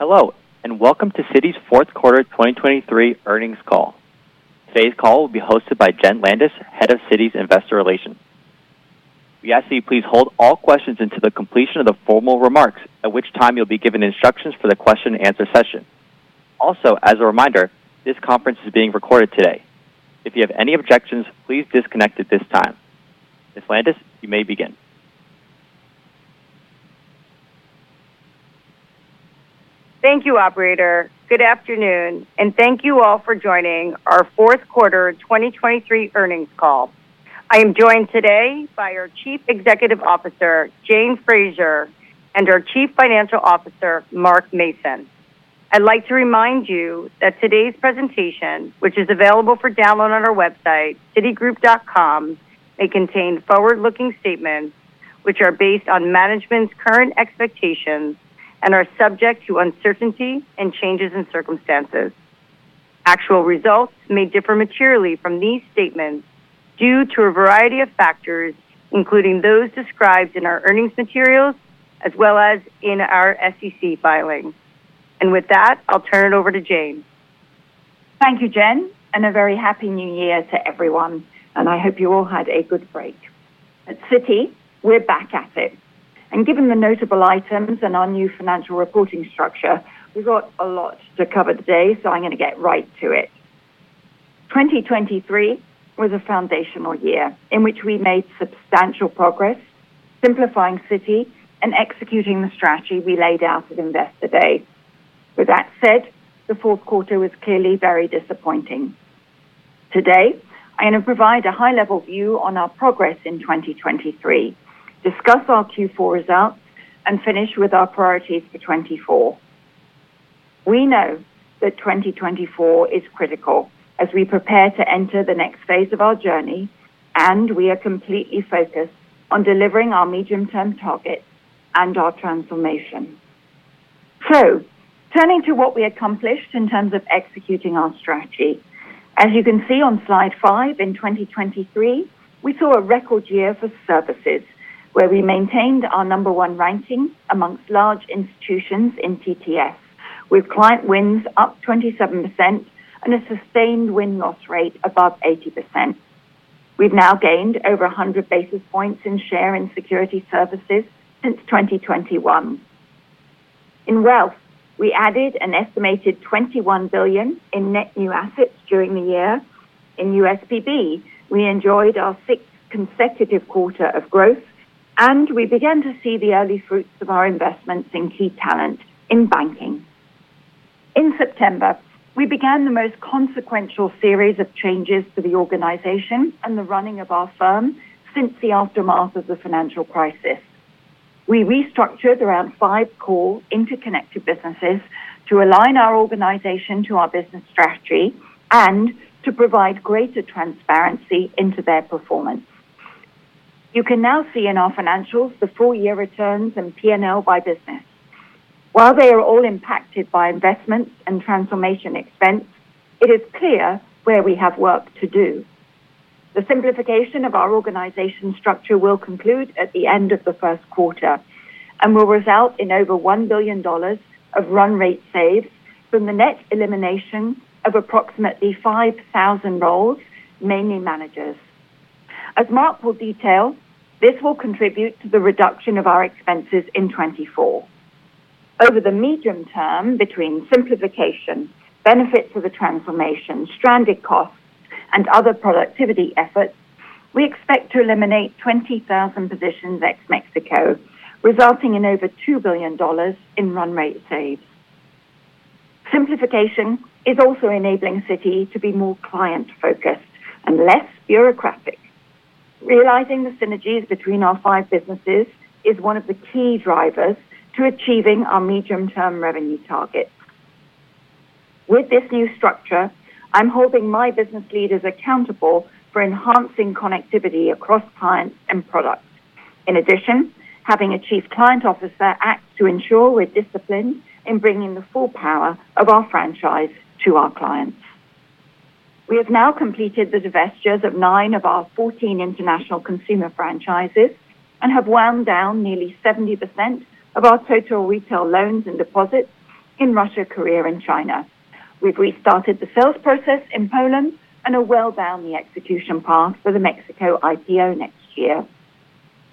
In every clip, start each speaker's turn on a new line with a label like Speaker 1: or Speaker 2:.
Speaker 1: Hello, and welcome to Citi's Fourth Quarter 2023 Earnings Call. Today's call will be hosted by Jenn Landis, Head of Citi's Investor Relations. We ask that you please hold all questions until the completion of the formal remarks, at which time you'll be given instructions for the Q&A session. Also, as a reminder, this conference is being recorded today. If you have any objections, please disconnect at this time. Ms. Landis, you may begin.
Speaker 2: Thank you, operator. Good afternoon, and thank you all for joining our Fourth Quarter 2023 Earnings Call. I am joined today by our Chief Executive Officer, Jane Fraser, and our Chief Financial Officer, Mark Mason. I'd like to remind you that today's presentation, which is available for download on our website, citigroup.com, may contain forward-looking statements, which are based on management's current expectations and are subject to uncertainty and changes in circumstances. Actual results may differ materially from these statements due to a variety of factors, including those described in our earnings materials as well as in our SEC filings. With that, I'll turn it over to Jane.
Speaker 3: Thank you, Jen, and a very Happy New Year to everyone, and I hope you all had a good break. At Citi, we're back at it, and given the notable items and our new financial reporting structure, we've got a lot to cover today, so I'm going to get right to it. 2023 was a foundational year in which we made substantial progress, simplifying Citi and executing the strategy we laid out at Investor Day. With that said, the fourth quarter was clearly very disappointing. Today, I'm going to provide a high-level view on our progress in 2023, discuss our Q4 results, and finish with our priorities for 2024. We know that 2024 is critical as we prepare to enter the next phase of our journey, and we are completely focused on delivering our medium-term targets and our transformation. Turning to what we accomplished in terms of executing our strategy. As you can see on slide five, in 2023, we saw a record year for services, where we maintained our number one ranking amongst large institutions in TTS, with client wins up 27% and a sustained win-loss rate above 80%. We've now gained over 100 basis points in share in Security Services since 2021. In Wealth, we added an estimated $21 billion in net new assets during the year. In USPB, we enjoyed our sixth consecutive quarter of growth, and we began to see the early fruits of our investments in key talent in Banking. In September, we began the most consequential series of changes to the organization and the running of our firm since the aftermath of the financial crisis. We restructured around five core interconnected businesses to align our organization to our business strategy and to provide greater transparency into their performance. You can now see in our financials the full-year returns and PNL by business. While they are all impacted by investments and transformation expense, it is clear where we have work to do. The simplification of our organization structure will conclude at the end of the first quarter and will result in over $1 billion of run rate saves from the net elimination of approximately 5,000 roles, mainly managers. As Mark will detail, this will contribute to the reduction of our expenses in 2024. Over the medium term, between simplification, benefit to the transformation, stranded costs, and other productivity efforts, we expect to eliminate 20,000 positions ex Mexico, resulting in over $2 billion in run rate saves. Simplification is also enabling Citi to be more client-focused and less bureaucratic. Realizing the synergies between our five businesses is one of the key drivers to achieving our medium-term revenue targets. With this new structure, I'm holding my business leaders accountable for enhancing connectivity across clients and products. In addition, having a chief client officer acts to ensure we're disciplined in bringing the full power of our franchise to our clients. We have now completed the divestitures of nine of our 14 international consumer franchises and have wound down nearly 70% of our total retail loans and deposits in Russia, Korea, and China. We've restarted the sales process in Poland and are well down the execution path for the Mexico IPO next year.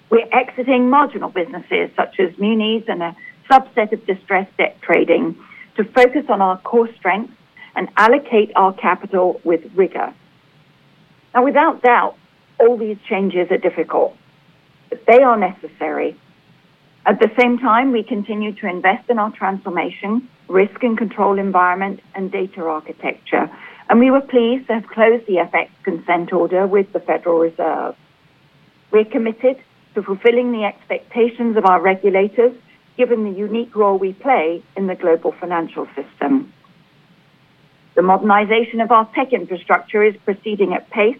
Speaker 3: We're exiting marginal businesses such as Munis and a subset of distressed debt trading to focus on our core strengths and allocate our capital with rigor. Now, without doubt, all these changes are difficult, but they are necessary. At the same time, we continue to invest in our transformation, risk and control environment, and data architecture, and we were pleased to have closed the FX consent order with the Federal Reserve. We're committed to fulfilling the expectations of our regulators, given the unique role we play in the global financial system. The modernization of our tech infrastructure is proceeding at pace,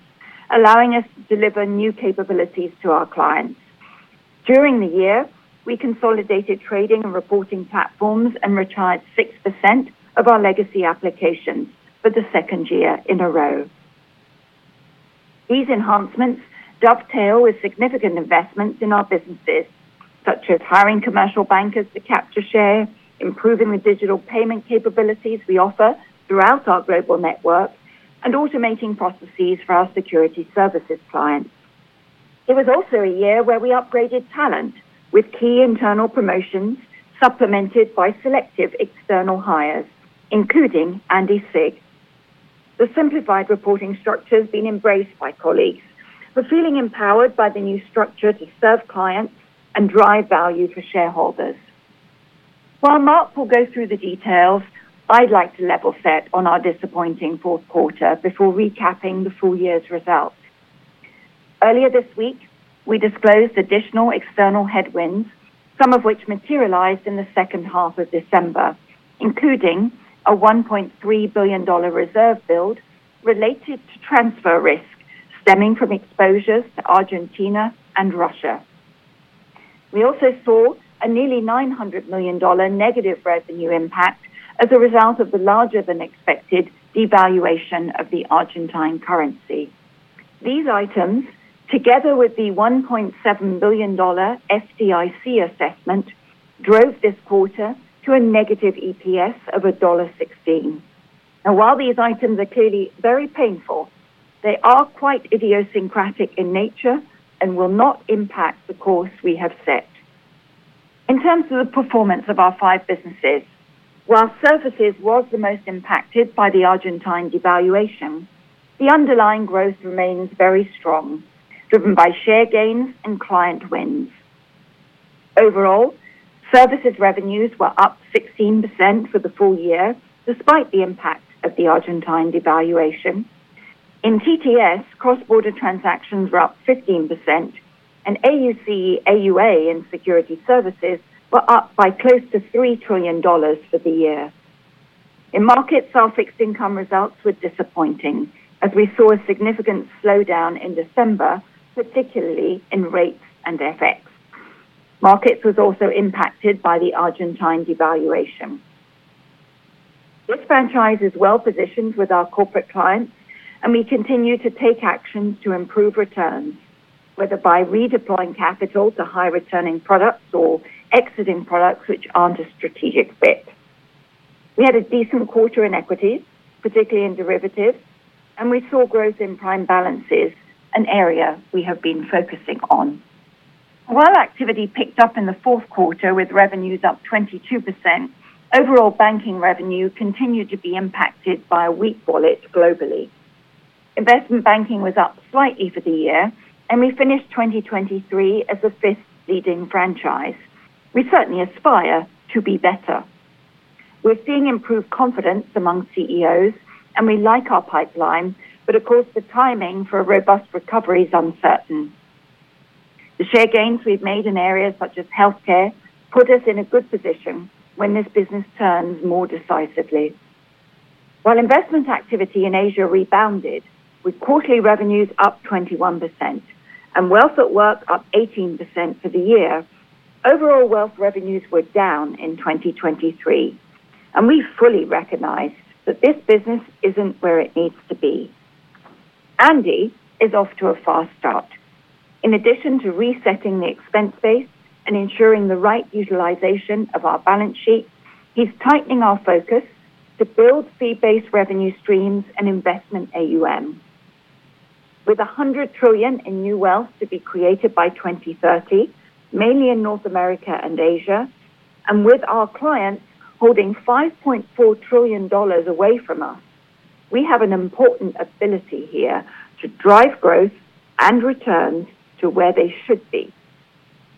Speaker 3: allowing us to deliver new capabilities to our clients. During the year, we consolidated trading and reporting platforms and retired 6% of our legacy applications for the second year in a row. These enhancements dovetail with significant investments in our businesses, such as hiring commercial bankers to capture share, improving the digital payment capabilities we offer throughout our global network, and automating processes for our Security Services clients. It was also a year where we upgraded talent with key internal promotions, supplemented by selective external hires, including Andy Sieg. The simplified reporting structure has been embraced by colleagues, who are feeling empowered by the new structure to serve clients and drive value for shareholders. While Mark will go through the details, I'd like to level set on our disappointing fourth quarter before recapping the full year's results. Earlier this week, we disclosed additional external headwinds, some of which materialized in the second half of December, including a $1.3 billion reserve build related to transfer risk stemming from exposures to Argentina and Russia. We also saw a nearly $900 million negative revenue impact as a result of the larger than expected devaluation of the Argentine currency. These items, together with the $1.7 billion FDIC assessment, drove this quarter to a negative EPS of $1.16. Now, while these items are clearly very painful, they are quite idiosyncratic in nature and will not impact the course we have set. In terms of the performance of our five businesses, while services was the most impacted by the Argentine devaluation, the underlying growth remains very strong, driven by share gains and client wins. Overall, services revenues were up 16% for the full year, despite the impact of the Argentine devaluation. In TTS, cross-border transactions were up 15%, and AUC/AUA in Security Services were up by close to $3 trillion for the year. In Markets, our fixed income results were disappointing as we saw a significant slowdown in December, particularly in rates and FX. Markets was also impacted by the Argentine devaluation. This franchise is well-positioned with our corporate clients, and we continue to take actions to improve returns, whether by redeploying capital to high-returning products or exiting products which aren't a strategic fit. We had a decent quarter in equities, particularly in derivatives, and we saw growth in prime balances, an area we have been focusing on. While activity picked up in the fourth quarter with revenues up 22%, overall Banking revenue continued to be impacted by a weak wallet globally. Investment Banking was up slightly for the year, and we finished 2023 as the fifth leading franchise. We certainly aspire to be better. We're seeing improved confidence among CEOs, and we like our pipeline, but of course, the timing for a robust recovery is uncertain. The share gains we've made in areas such as healthcare put us in a good position when this business turns more decisively. While investment activity in Asia rebounded, with quarterly revenues up 21% and Wealth at Work up 18% for the year, overall Wealth revenues were down in 2023, and we fully recognize that this business isn't where it needs to be. Andy is off to a fast start. In addition to resetting the expense base and ensuring the right utilization of our balance sheet, he's tightening our focus to build fee-based revenue streams and investment AUM. With $100 trillion in new Wealth to be created by 2030, mainly in North America and Asia, and with our clients holding $5.4 trillion away from us, we have an important ability here to drive growth and returns to where they should be.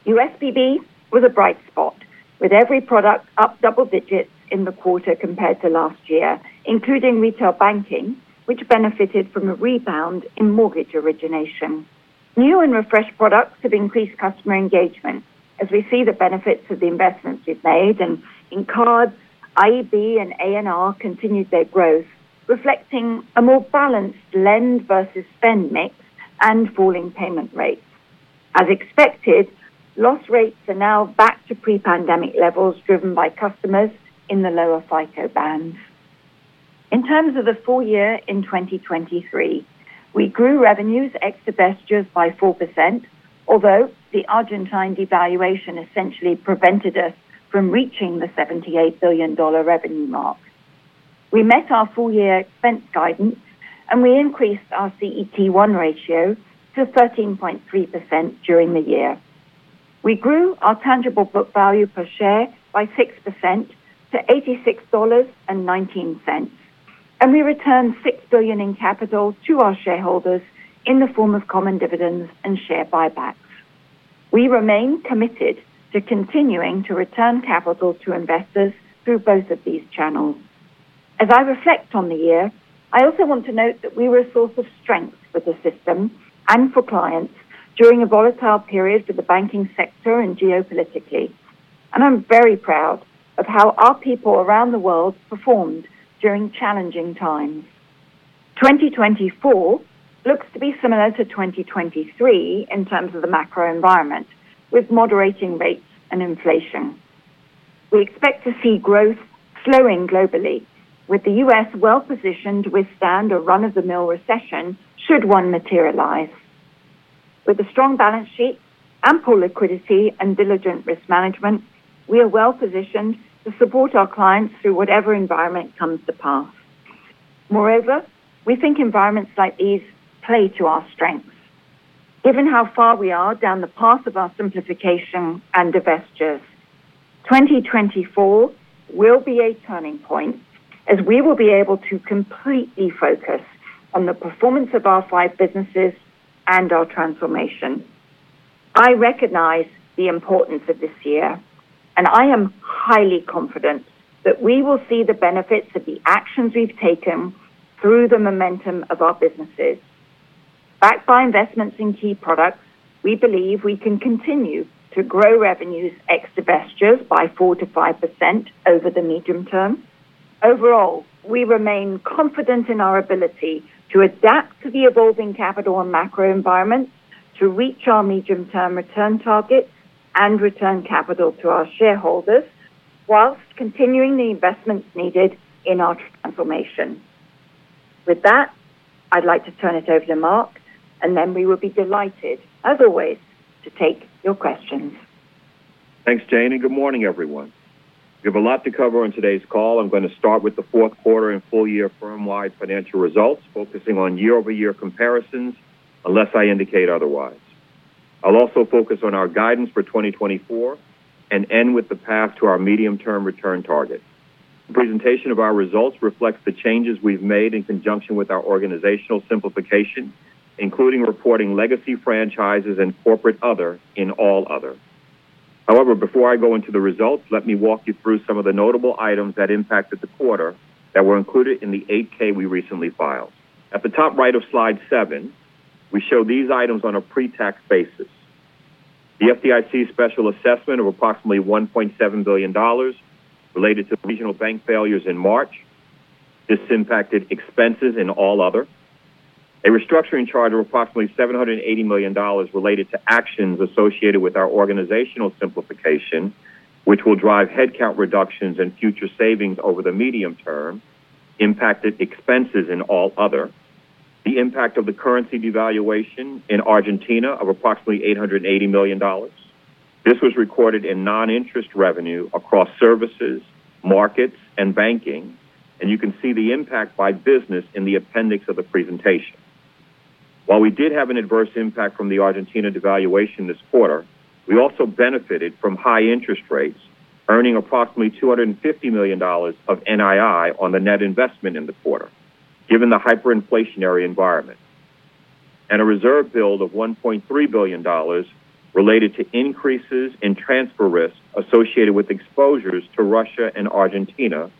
Speaker 3: USPB was a bright spot, with every product up double digits in the quarter compared to last year, including retail banking, which benefited from a rebound in mortgage origination. New and refreshed products have increased customer engagement as we see the benefits of the investments we've made, and in Cards, IB, and ANR continued their growth, reflecting a more balanced lend versus spend mix and falling payment rates. As expected, loss rates are now back to pre-pandemic levels, driven by customers in the lower FICO bands. In terms of the full year in 2023, we grew revenues ex divestitures by 4%, although the Argentine devaluation essentially prevented us from reaching the $78 billion revenue mark. We met our full year expense guidance, and we increased our CET1 ratio to 13.3% during the year. We grew our tangible book value per share by 6% to $86.19, and we returned $6 billion in capital to our shareholders in the form of common dividends and share buybacks. We remain committed to continuing to return capital to investors through both of these channels. As I reflect on the year, I also want to note that we were a source of strength for the system and for clients during a volatile period for the banking sector and geopolitically. And I'm very proud of how our people around the world performed during challenging times. 2024 looks to be similar to 2023 in terms of the macro environment, with moderating rates and inflation.... We expect to see growth slowing globally, with the U.S. well-positioned to withstand a run-of-the-mill recession should one materialize. With a strong balance sheet, ample liquidity, and diligent risk management, we are well-positioned to support our clients through whatever environment comes our way. Moreover, we think environments like these play to our strengths. Given how far we are down the path of our simplification and divestitures, 2024 will be a turning point as we will be able to completely focus on the performance of our five businesses and our transformation. I recognize the importance of this year, and I am highly confident that we will see the benefits of the actions we've taken through the momentum of our businesses. Backed by investments in key products, we believe we can continue to grow revenues ex divestitures by 4%-5% over the medium term. Overall, we remain confident in our ability to adapt to the evolving capital and macro environment to reach our medium-term return targets and return capital to our shareholders, while continuing the investments needed in our transformation. With that, I'd like to turn it over to Mark, and then we will be delighted, as always, to take your questions.
Speaker 4: Thanks, Jane, and good morning, everyone. We have a lot to cover on today's call. I'm going to start with the fourth quarter and full-year firm-wide financial results, focusing on year-over-year comparisons, unless I indicate otherwise. I'll also focus on our guidance for 2024 and end with the path to our medium-term return target. The presentation of our results reflects the changes we've made in conjunction with our organizational simplification, including reporting Legacy Franchises and corporate other in All Other. However, before I go into the results, let me walk you through some of the notable items that impacted the quarter that were included in the 8-K we recently filed. At the top right of slide seven, we show these items on a pre-tax basis. The FDIC special assessment of approximately $1.7 billion related to regional bank failures in March. This impacted expenses in All Other. A restructuring charge of approximately $780 million related to actions associated with our organizational simplification, which will drive headcount reductions and future savings over the medium term, impacted expenses in All Other. The impact of the currency devaluation in Argentina of approximately $880 million. This was recorded in non-interest revenue across services, Markets, and Banking, and you can see the impact by business in the appendix of the presentation. While we did have an adverse impact from the Argentina devaluation this quarter, we also benefited from high interest rates, earning approximately $250 million of NII on the net investment in the quarter, given the hyperinflationary environment, and a reserve build of $1.3 billion related to increases in transfer risks associated with exposures to Russia and Argentina,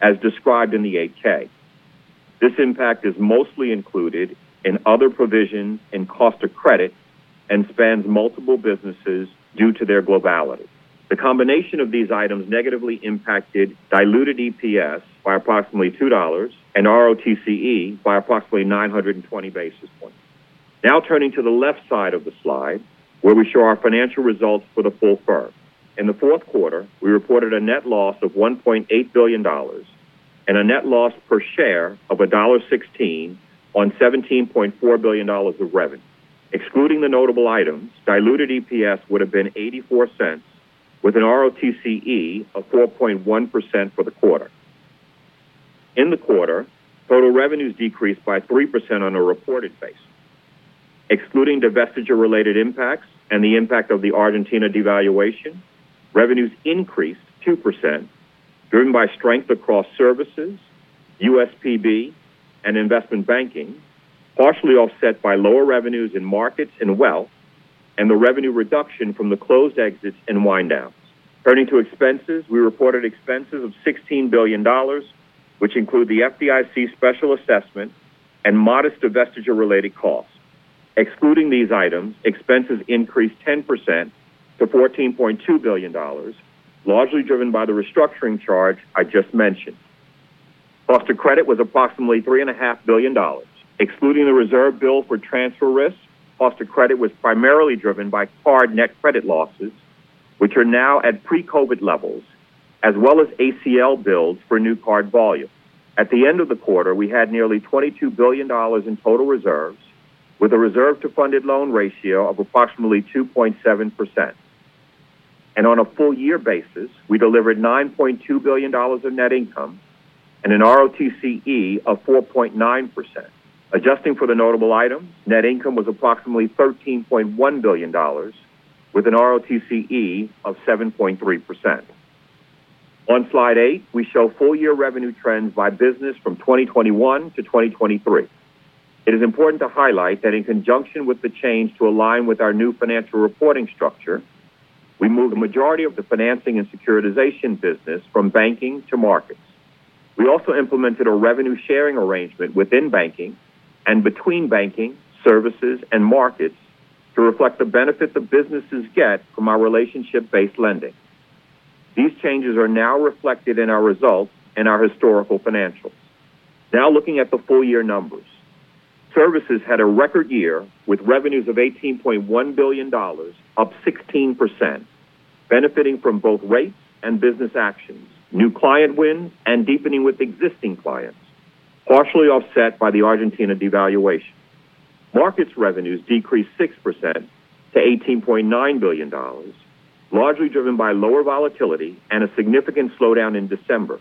Speaker 4: as described in the 8-K. This impact is mostly included in other provisions in cost of credit and spans multiple businesses due to their globality. The combination of these items negatively impacted diluted EPS by approximately $2 and ROTCE by approximately 920 basis points. Now turning to the left side of the slide, where we show our financial results for the full firm. In the fourth quarter, we reported a net loss of $1.8 billion and a net loss per share of $1.16 on $17.4 billion of revenue. Excluding the notable items, diluted EPS would have been $0.84, with an ROTCE of 4.1% for the quarter. In the quarter, total revenues decreased by 3% on a reported basis. Excluding divestiture-related impacts and the impact of the Argentina devaluation, revenues increased 2%, driven by strength across services, USPB, and investment banking, partially offset by lower revenues in Markets and Wealth and the revenue reduction from the closed exits and wind downs. Turning to expenses, we reported expenses of $16 billion, which include the FDIC special assessment and modest divestiture-related costs. Excluding these items, expenses increased 10% to $14.2 billion, largely driven by the restructuring charge I just mentioned. Cost of credit was approximately $3.5 billion. Excluding the reserve bill for transfer risks, cost of credit was primarily driven by card net credit losses, which are now at pre-COVID levels, as well as ACL builds for new card volume. At the end of the quarter, we had nearly $22 billion in total reserves, with a reserve to funded loan ratio of approximately 2.7%. And on a full year basis, we delivered $9.2 billion of net income and an ROTCE of 4.9%. Adjusting for the notable item, net income was approximately $13.1 billion, with an ROTCE of 7.3%. On slide eight, we show full-year revenue trends by business from 2021 to 2023. It is important to highlight that in conjunction with the change to align with our new financial reporting structure, we moved the majority of the financing and securitization business from Banking to Markets. We also implemented a revenue-sharing arrangement within banking and between banking, services, and Markets to reflect the benefits the businesses get from our relationship-based lending. These changes are now reflected in our results and our historical financials. Now looking at the full-year numbers. Services had a record year with revenues of $18.1 billion, up 16%, benefiting from both rates and business actions, new client wins, and deepening with existing clients, partially offset by the Argentina devaluation. Markets revenues decreased 6% to $18.9 billion, largely driven by lower volatility and a significant slowdown in December.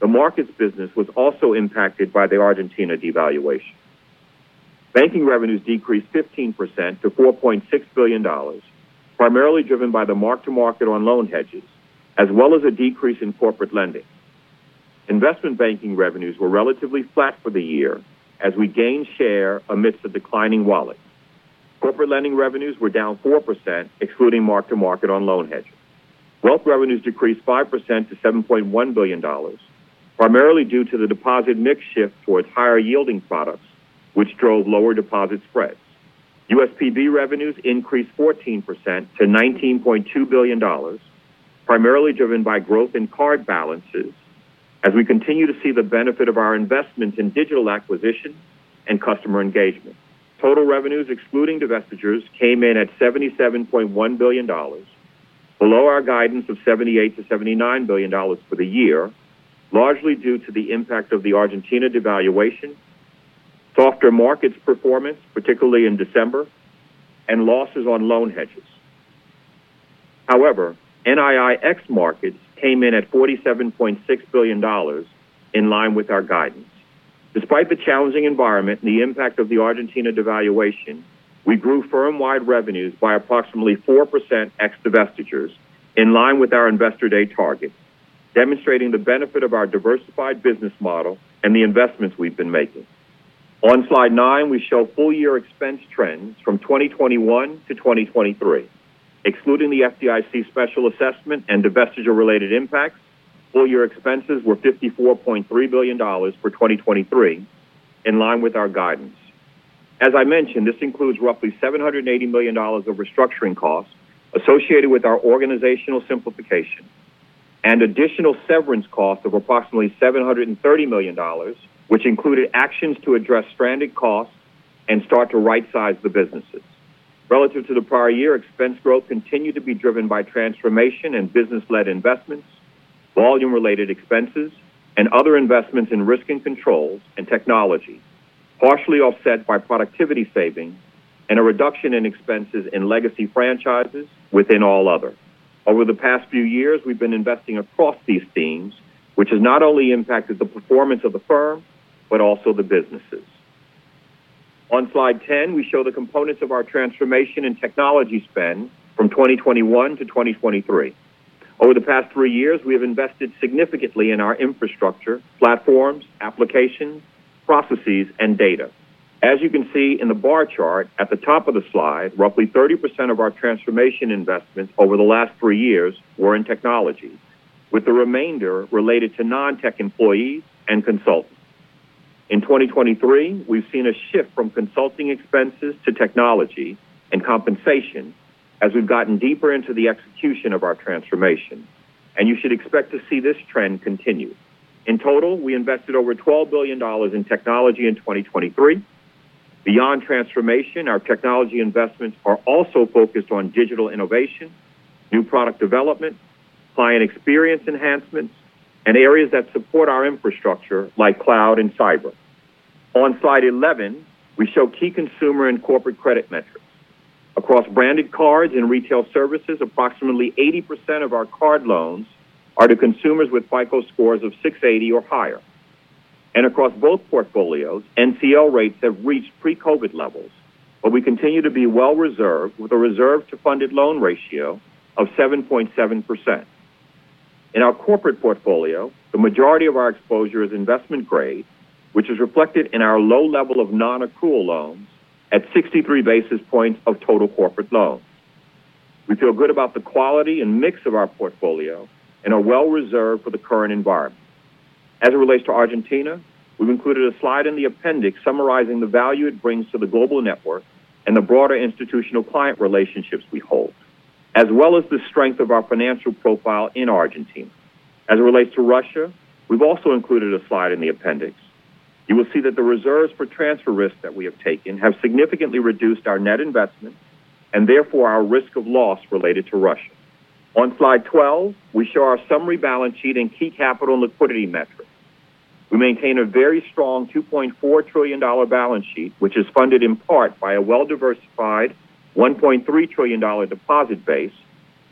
Speaker 4: The Markets business was also impacted by the Argentina devaluation. Banking revenues decreased 15% to $4.6 billion, primarily driven by the mark-to-market on loan hedges, as well as a decrease in corporate lending. Investment Banking revenues were relatively flat for the year as we gained share amidst a declining wallet. Corporate lending revenues were down 4%, excluding mark-to-market on loan hedges. Wealth revenues decreased 5% to $7.1 billion, primarily due to the deposit mix shift towards higher yielding products, which drove lower deposit spreads. USPB revenues increased 14% to $19.2 billion, primarily driven by growth in card balances as we continue to see the benefit of our investments in digital acquisition and customer engagement. Total revenues, excluding divestitures, came in at $77.1 billion, below our guidance of $78 billion-$79 billion for the year, largely due to the impact of the Argentina devaluation, softer markets performance, particularly in December, and losses on loan hedges. However, NIIX markets came in at $47.6 billion in line with our guidance. Despite the challenging environment and the impact of the Argentina devaluation, we grew firm-wide revenues by approximately 4% ex divestitures, in line with our investor day targets, demonstrating the benefit of our diversified business model and the investments we've been making. On slide nine, we show full year expense trends from 2021 to 2023. Excluding the FDIC special assessment and divestiture related impacts, full year expenses were $54.3 billion for 2023, in line with our guidance. As I mentioned, this includes roughly $780 million of restructuring costs associated with our organizational simplification and additional severance costs of approximately $730 million, which included actions to address stranded costs and start to rightsize the businesses. Relative to the prior year, expense growth continued to be driven by transformation and business-led investments, volume-related expenses, and other investments in risk and controls and technology, partially offset by productivity savings and a reduction in expenses in Legacy Franchises within All Other. Over the past few years, we've been investing across these themes, which has not only impacted the performance of the firm, but also the businesses. On slide 10, we show the components of our transformation and technology spend from 2021 to 2023. Over the past three years, we have invested significantly in our infrastructure, platforms, applications, processes, and data. As you can see in the bar chart at the top of the slide, roughly 30% of our transformation investments over the last three years were in technology, with the remainder related to non-tech employees and consultants. In 2023, we've seen a shift from consulting expenses to technology and compensation as we've gotten deeper into the execution of our transformation, and you should expect to see this trend continue. In total, we invested over $12 billion in technology in 2023. Beyond transformation, our technology investments are also focused on digital innovation, new product development, client experience enhancements, and areas that support our infrastructure, like cloud and cyber. On slide 11, we show key consumer and corporate credit metrics. Across Branded Cards and Retail Services, approximately 80% of our card loans are to consumers with FICO scores of 680 or higher. Across both portfolios, NCL rates have reached pre-COVID levels, but we continue to be well reserved, with a reserve to funded loan ratio of 7.7%. In our corporate portfolio, the majority of our exposure is investment grade, which is reflected in our low level of non-accrual loans at 63 basis points of total corporate loans. We feel good about the quality and mix of our portfolio and are well reserved for the current environment. As it relates to Argentina, we've included a slide in the appendix summarizing the value it brings to the global network and the broader institutional client relationships we hold, as well as the strength of our financial profile in Argentina. As it relates to Russia, we've also included a slide in the appendix. You will see that the reserves for transfer risks that we have taken have significantly reduced our net investment and therefore our risk of loss related to Russia. On slide 12, we show our summary balance sheet and key capital and liquidity metrics. We maintain a very strong $2.4 trillion balance sheet, which is funded in part by a well-diversified $1.3 trillion deposit base,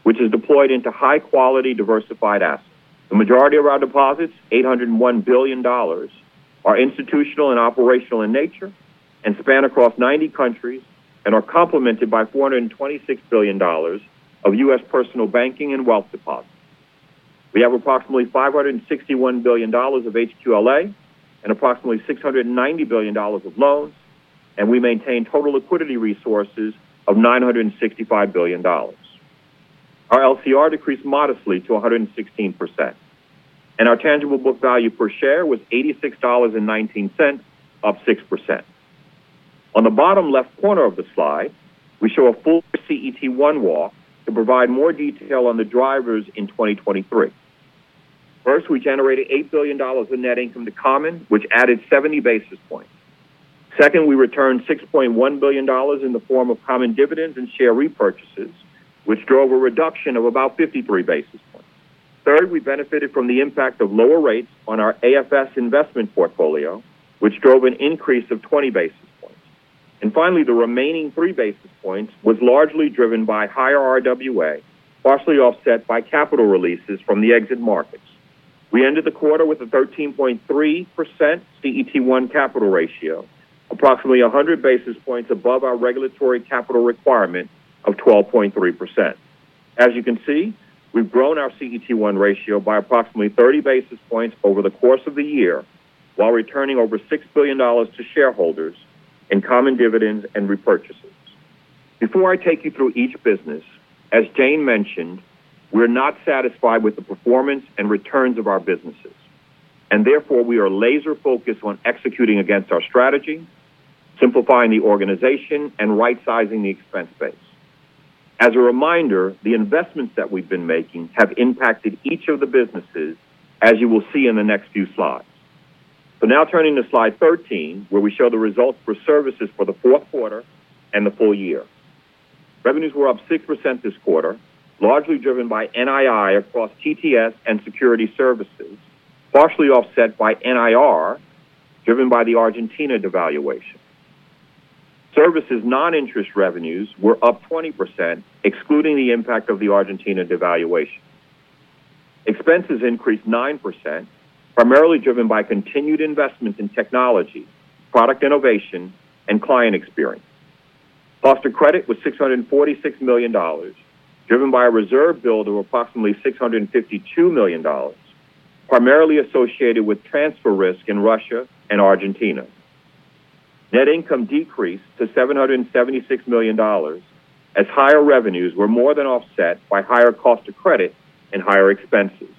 Speaker 4: which is deployed into high quality, diversified assets. The majority of our deposits, $801 billion, are institutional and operational in nature and span across 90 countries and are complemented by $426 billion of U.S. Personal Banking and Wealth deposits. We have approximately $561 billion of HQLA and approximately $690 billion of loans, and we maintain total liquidity resources of $965 billion. Our LCR decreased modestly to 116%, and our tangible book value per share was $86.19, up 6%. On the bottom left corner of the slide, we show a full CET1 walk to provide more detail on the drivers in 2023... First, we generated $8 billion in net income to common, which added 70 basis points. Second, we returned $6.1 billion in the form of common dividends and share repurchases, which drove a reduction of about 53 basis points. Third, we benefited from the impact of lower rates on our AFS investment portfolio, which drove an increase of 20 basis points. Finally, the remaining 3 basis points was largely driven by higher RWA, partially offset by capital releases from the exit Markets. We ended the quarter with a 13.3% CET1 capital ratio, approximately 100 basis points above our regulatory capital requirement of 12.3%. As you can see, we've grown our CET1 ratio by approximately 30 basis points over the course of the year, while returning over $6 billion to shareholders in common dividends and repurchases. Before I take you through each business, as Jane mentioned, we're not satisfied with the performance and returns of our businesses, and therefore, we are laser-focused on executing against our strategy, simplifying the organization, and right-sizing the expense base. As a reminder, the investments that we've been making have impacted each of the businesses, as you will see in the next few slides. So now turning to slide 13, where we show the results for services for the fourth quarter and the full year. Revenues were up 6% this quarter, largely driven by NII across TTS and Security Services, partially offset by NIR, driven by the Argentina devaluation. Services non-interest revenues were up 20%, excluding the impact of the Argentina devaluation. Expenses increased 9%, primarily driven by continued investments in technology, product innovation, and client experience. Cost of credit was $646 million, driven by a reserve build of approximately $652 million, primarily associated with transfer risk in Russia and Argentina. Net income decreased to $776 million, as higher revenues were more than offset by higher cost of credit and higher expenses.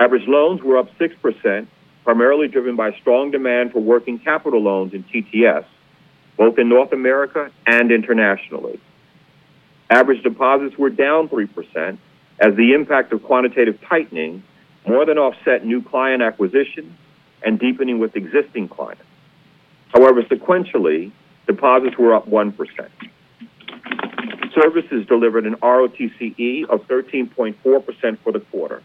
Speaker 4: Average loans were up 6%, primarily driven by strong demand for working capital loans in TTS, both in North America and internationally. Average deposits were down 3% as the impact of quantitative tightening more than offset new client acquisition and deepening with existing clients. However, sequentially, deposits were up 1%. Services delivered an ROTCE of 13.4% for the quarter,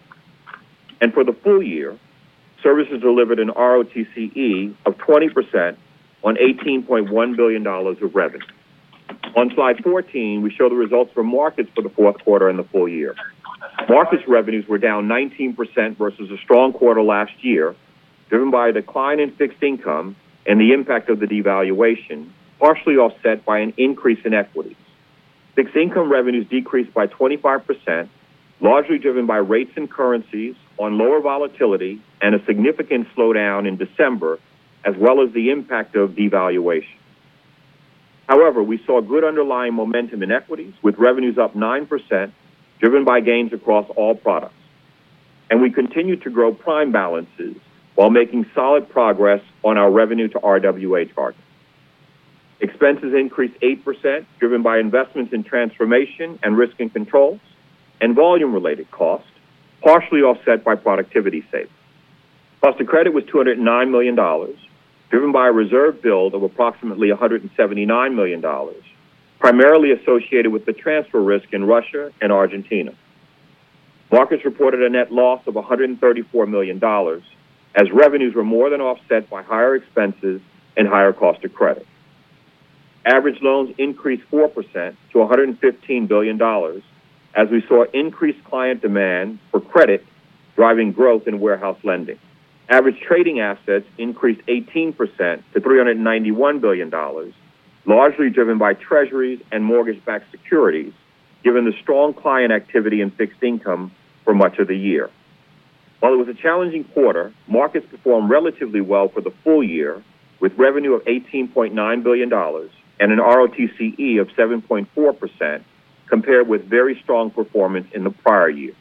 Speaker 4: and for the full year, services delivered an ROTCE of 20% on $18.1 billion of revenue. On slide 14, we show the results for Markets for the fourth quarter and the full year. Markets revenues were down 19% versus a strong quarter last year, driven by a decline in fixed income and the impact of the devaluation, partially offset by an increase in equities. Fixed income revenues decreased by 25%, largely driven by rates and currencies on lower volatility and a significant slowdown in December, as well as the impact of devaluation. However, we saw good underlying momentum in equities, with revenues up 9%, driven by gains across all products. We continued to grow prime balances while making solid progress on our revenue to RWA target. Expenses increased 8%, driven by investments in transformation and risk and controls and volume-related costs, partially offset by productivity savings. Cost of credit was $209 million, driven by a reserve build of approximately $179 million, primarily associated with the transfer risk in Russia and Argentina. Markets reported a net loss of $134 million, as revenues were more than offset by higher expenses and higher cost of credit. Average loans increased 4% to $115 billion, as we saw increased client demand for credit, driving growth in warehouse lending. Average trading assets increased 18% to $391 billion, largely driven by treasuries and mortgage-backed securities, given the strong client activity in fixed income for much of the year. While it was a challenging quarter, Markets performed relatively well for the full year, with revenue of $18.9 billion and an ROTCE of 7.4%, compared with very strong performance in the prior year.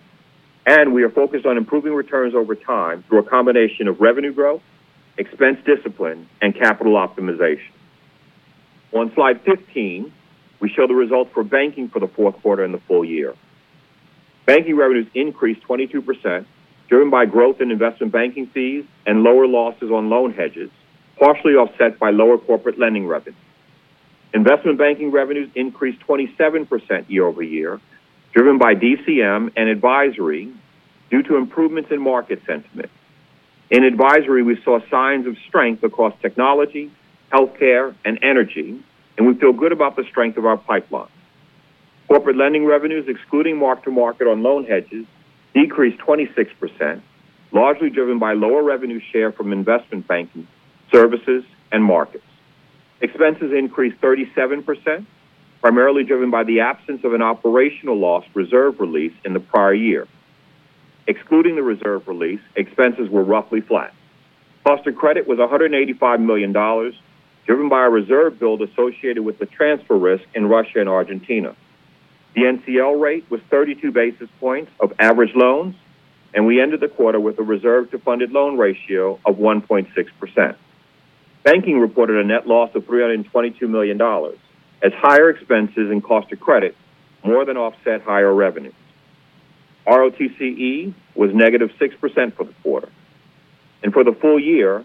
Speaker 4: We are focused on improving returns over time through a combination of revenue growth, expense discipline, and capital optimization. On slide 15, we show the results for banking for the fourth quarter and the full year. Banking revenues increased 22%, driven by growth in investment Banking fees and lower losses on loan hedges, partially offset by lower corporate lending revenue. Investment Banking revenues increased 27% year-over-year, driven by DCM and advisory due to improvements in market sentiment. In advisory, we saw signs of strength across technology, healthcare, and energy, and we feel good about the strength of our pipeline. Corporate lending revenues, excluding mark-to-market on loan hedges, decreased 26%, largely driven by lower revenue share from Investment Banking, Services, and Markets. Expenses increased 37%, primarily driven by the absence of an operational loss reserve release in the prior year. Excluding the reserve release, expenses were roughly flat. Cost of credit was $185 million, driven by a reserve build associated with the transfer risk in Russia and Argentina. The NCL rate was 32 basis points of average loans, and we ended the quarter with a reserve to funded loan ratio of 1.6%. Banking reported a net loss of $322 million as higher expenses and cost of credit more than offset higher revenue. ROTCE was -6% for the quarter. And for the full year,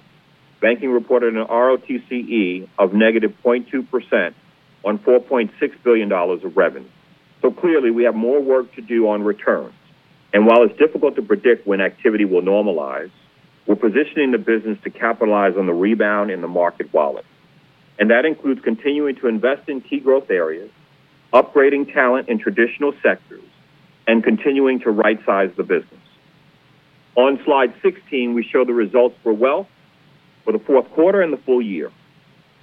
Speaker 4: Banking reported an ROTCE of -0.2% on $4.6 billion of revenue. So clearly, we have more work to do on returns, and while it's difficult to predict when activity will normalize, we're positioning the business to capitalize on the rebound in the market wallet. And that includes continuing to invest in key growth areas, upgrading talent in traditional sectors, and continuing to rightsize the business. On slide 16, we show the results for Wealth for the fourth quarter and the full year.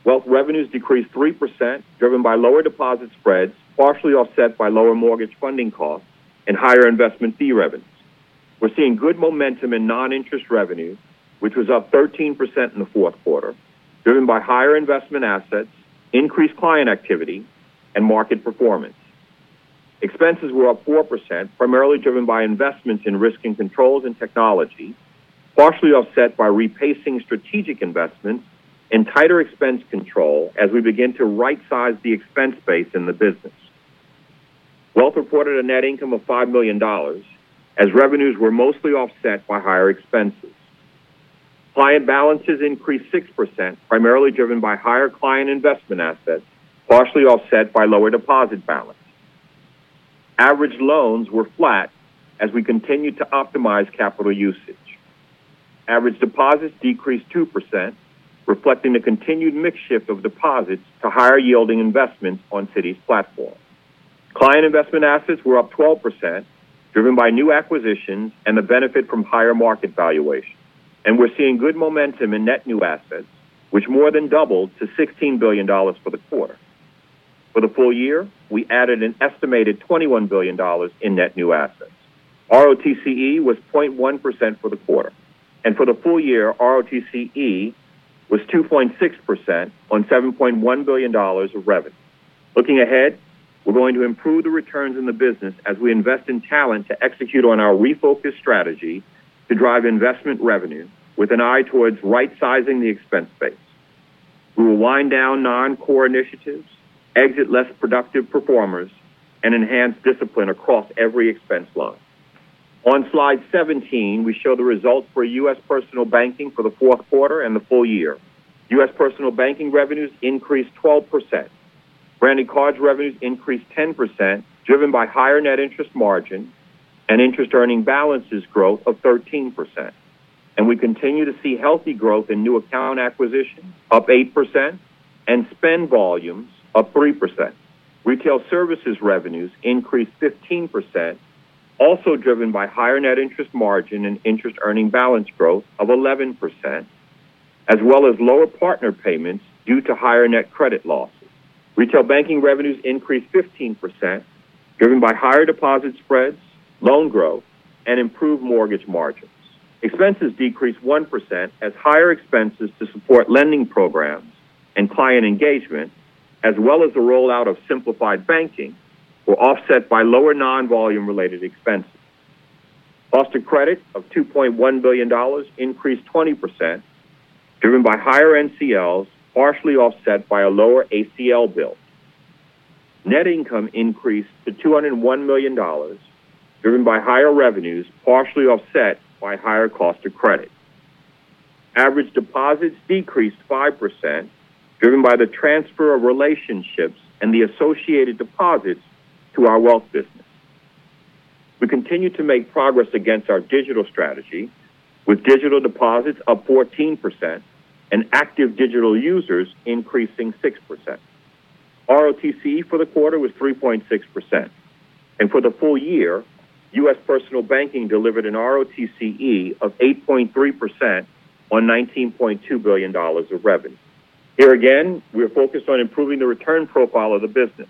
Speaker 4: Wealth revenues decreased 3%, driven by lower deposit spreads, partially offset by lower mortgage funding costs and higher investment fee revenues. We're seeing good momentum in non-interest revenue, which was up 13% in the fourth quarter, driven by higher investment assets, increased client activity, and market performance. Expenses were up 4%, primarily driven by investments in risk and controls and technology, partially offset by rephasing strategic investments and tighter expense control as we begin to rightsize the expense base in the business. Wealth reported a net income of $5 million, as revenues were mostly offset by higher expenses. Client balances increased 6%, primarily driven by higher client investment assets, partially offset by lower deposit balance. Average loans were flat as we continued to optimize capital usage. Average deposits decreased 2%, reflecting the continued mix shift of deposits to higher-yielding investments on Citi's platform. Client investment assets were up 12%, driven by new acquisitions and the benefit from higher market valuations. We're seeing good momentum in net new assets, which more than doubled to $16 billion for the quarter. For the full year, we added an estimated $21 billion in net new assets. ROTCE was 0.1% for the quarter, and for the full year, ROTCE was 2.6% on $7.1 billion of revenue. Looking ahead, we're going to improve the returns in the business as we invest in talent to execute on our refocused strategy to drive investment revenue with an eye towards rightsizing the expense base. We will wind down non-core initiatives, exit less productive performers, and enhance discipline across every expense line. On slide 17, we show the results for U.S. Personal Banking for the fourth quarter and the full year. U.S. Personal Banking revenues increased 12%. Branded Cards revenues increased 10%, driven by higher net interest margin and interest-earning balances growth of 13%. We continue to see healthy growth in new account acquisitions, up 8%, and spend volumes, up 3%. Retail Services revenues increased 15%, also driven by higher net interest margin and interest-earning balance growth of 11%, as well as lower partner payments due to higher net credit losses. Retail banking revenues increased 15%, driven by higher deposit spreads, loan growth, and improved mortgage margins. Expenses decreased 1% as higher expenses to support lending programs and client engagement, as well as the rollout of simplified banking, were offset by lower non-volume related expenses. Cost of credit of $2.1 billion increased 20%, driven by higher NCLs, partially offset by a lower ACL build. Net income increased to $201 million, driven by higher revenues, partially offset by higher cost of credit. Average deposits decreased 5%, driven by the transfer of relationships and the associated deposits to our Wealth business. We continue to make progress against our digital strategy, with digital deposits up 14% and active digital users increasing 6%. ROTCE for the quarter was 3.6%, and for the full year, U.S. Personal Banking delivered an ROTCE of 8.3% on $19.2 billion of revenue. Here again, we're focused on improving the return profile of the business.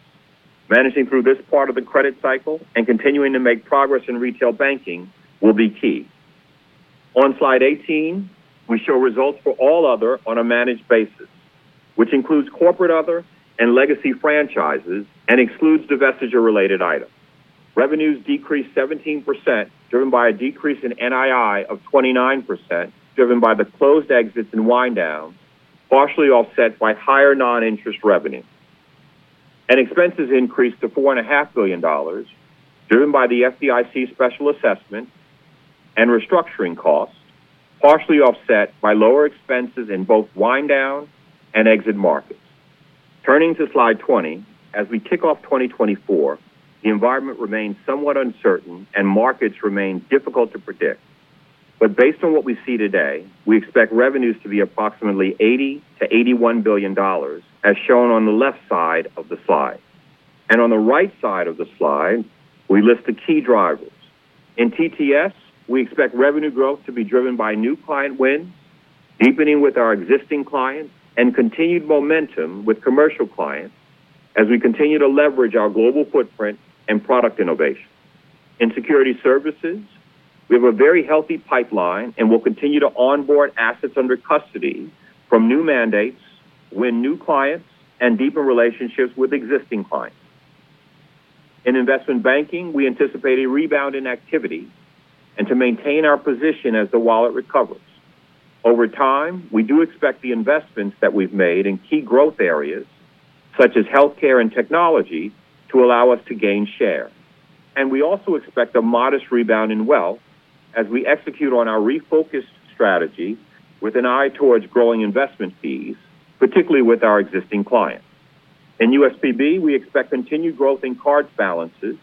Speaker 4: Managing through this part of the credit cycle and continuing to make progress in retail banking will be key. On slide 18, we show results for All Other on a managed basis, which includes corporate other and Legacy Franchises and excludes divestiture-related items. Revenues decreased 17%, driven by a decrease in NII of 29%, driven by the closed exits and wind down, partially offset by higher non-interest revenue. Expenses increased to $4.5 billion, driven by the FDIC special assessment and restructuring costs, partially offset by lower expenses in both wind down and exit markets. Turning to slide 20, as we kick off 2024, the environment remains somewhat uncertain and markets remain difficult to predict. But based on what we see today, we expect revenues to be approximately $80 billion-$81 billion, as shown on the left side of the slide. On the right side of the slide, we list the key drivers. In TTS, we expect revenue growth to be driven by new client wins, deepening with our existing clients, and continued momentum with commercial clients as we continue to leverage our global footprint and product innovation. In Security Services, we have a very healthy pipeline, and we'll continue to onboard assets under custody from new mandates, win new clients, and deeper relationships with existing clients.... In investment banking, we anticipate a rebound in activity and to maintain our position as the wallet recovers. Over time, we do expect the investments that we've made in key growth areas, such as healthcare and technology, to allow us to gain share. And we also expect a modest rebound in Wealth as we execute on our refocused strategy with an eye towards growing investment fees, particularly with our existing clients. In USPB, we expect continued growth in card balances,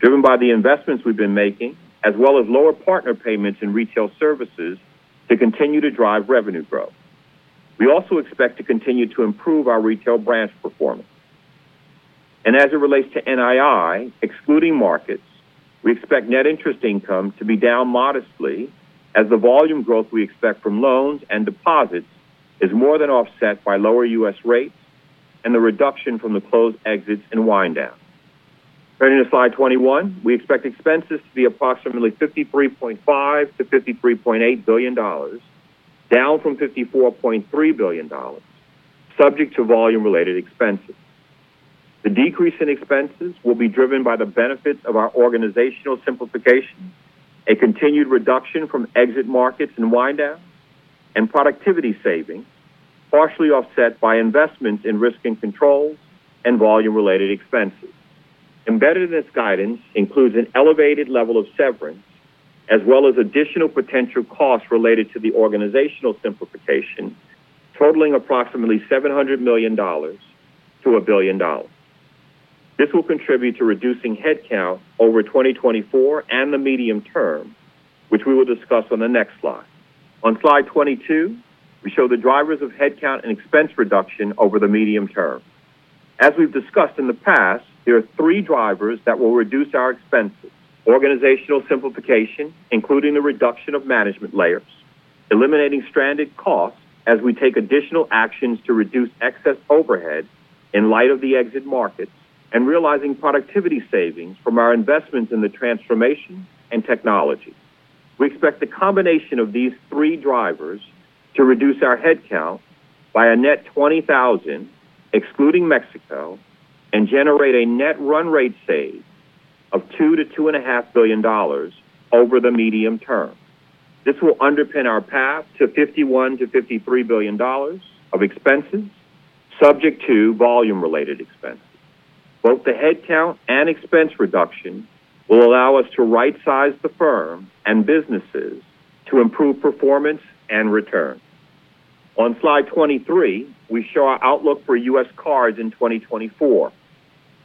Speaker 4: driven by the investments we've been making, as well as lower partner payments in Retail Services to continue to drive revenue growth. We also expect to continue to improve our retail branch performance. As it relates to NII, excluding markets, we expect net interest income to be down modestly as the volume growth we expect from loans and deposits is more than offset by lower U.S. rates and the reduction from the closed exits and wind down. Turning to slide 21. We expect expenses to be approximately $53.5 billion-$53.8 billion, down from $54.3 billion, subject to volume-related expenses. The decrease in expenses will be driven by the benefits of our organizational simplification, a continued reduction from exit markets and wind down, and productivity savings, partially offset by investments in risk and controls and volume-related expenses. Embedded in this guidance includes an elevated level of severance, as well as additional potential costs related to the organizational simplification, totaling approximately $700 million-$1 billion. This will contribute to reducing headcount over 2024 and the medium term, which we will discuss on the next slide. On slide 22, we show the drivers of headcount and expense reduction over the medium term. As we've discussed in the past, there are three drivers that will reduce our expenses: organizational simplification, including the reduction of management layers, eliminating stranded costs as we take additional actions to reduce excess overhead in light of the exit markets, and realizing productivity savings from our investments in the transformation and technology. We expect the combination of these three drivers to reduce our headcount by a net 20,000, excluding Mexico, and generate a net run rate save of $2 billion-$2.5 billion over the medium term. This will underpin our path to $51 billion-$53 billion of expenses, subject to volume-related expenses. Both the headcount and expense reduction will allow us to rightsize the firm and businesses to improve performance and return. On slide 23, we show our outlook for U.S. Cards in 2024.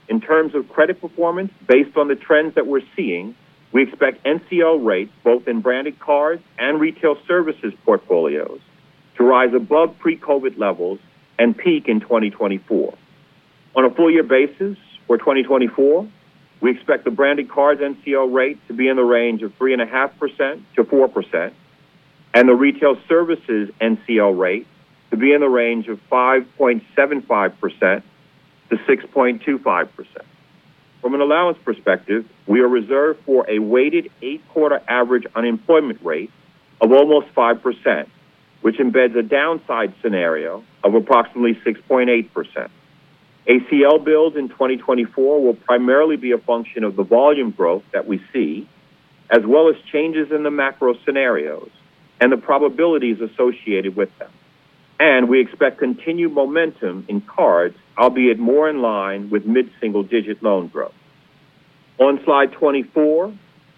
Speaker 4: In terms of credit performance, based on the trends that we're seeing, we expect NCL rates, both in Branded Cards and Retail Services portfolios, to rise above pre-COVID levels and peak in 2024. On a full year basis for 2024, we expect the Branded Cards NCL rate to be in the range of 3.5%-4%, and the Retail Services NCL rate to be in the range of 5.75%-6.25%. From an allowance perspective, we are reserved for a weighted eight-quarter average unemployment rate of almost 5%, which embeds a downside scenario of approximately 6.8%. ACL bills in 2024 will primarily be a function of the volume growth that we see, as well as changes in the macro scenarios and the probabilities associated with them. We expect continued momentum in Cards, albeit more in line with mid-single-digit loan growth. On slide 24,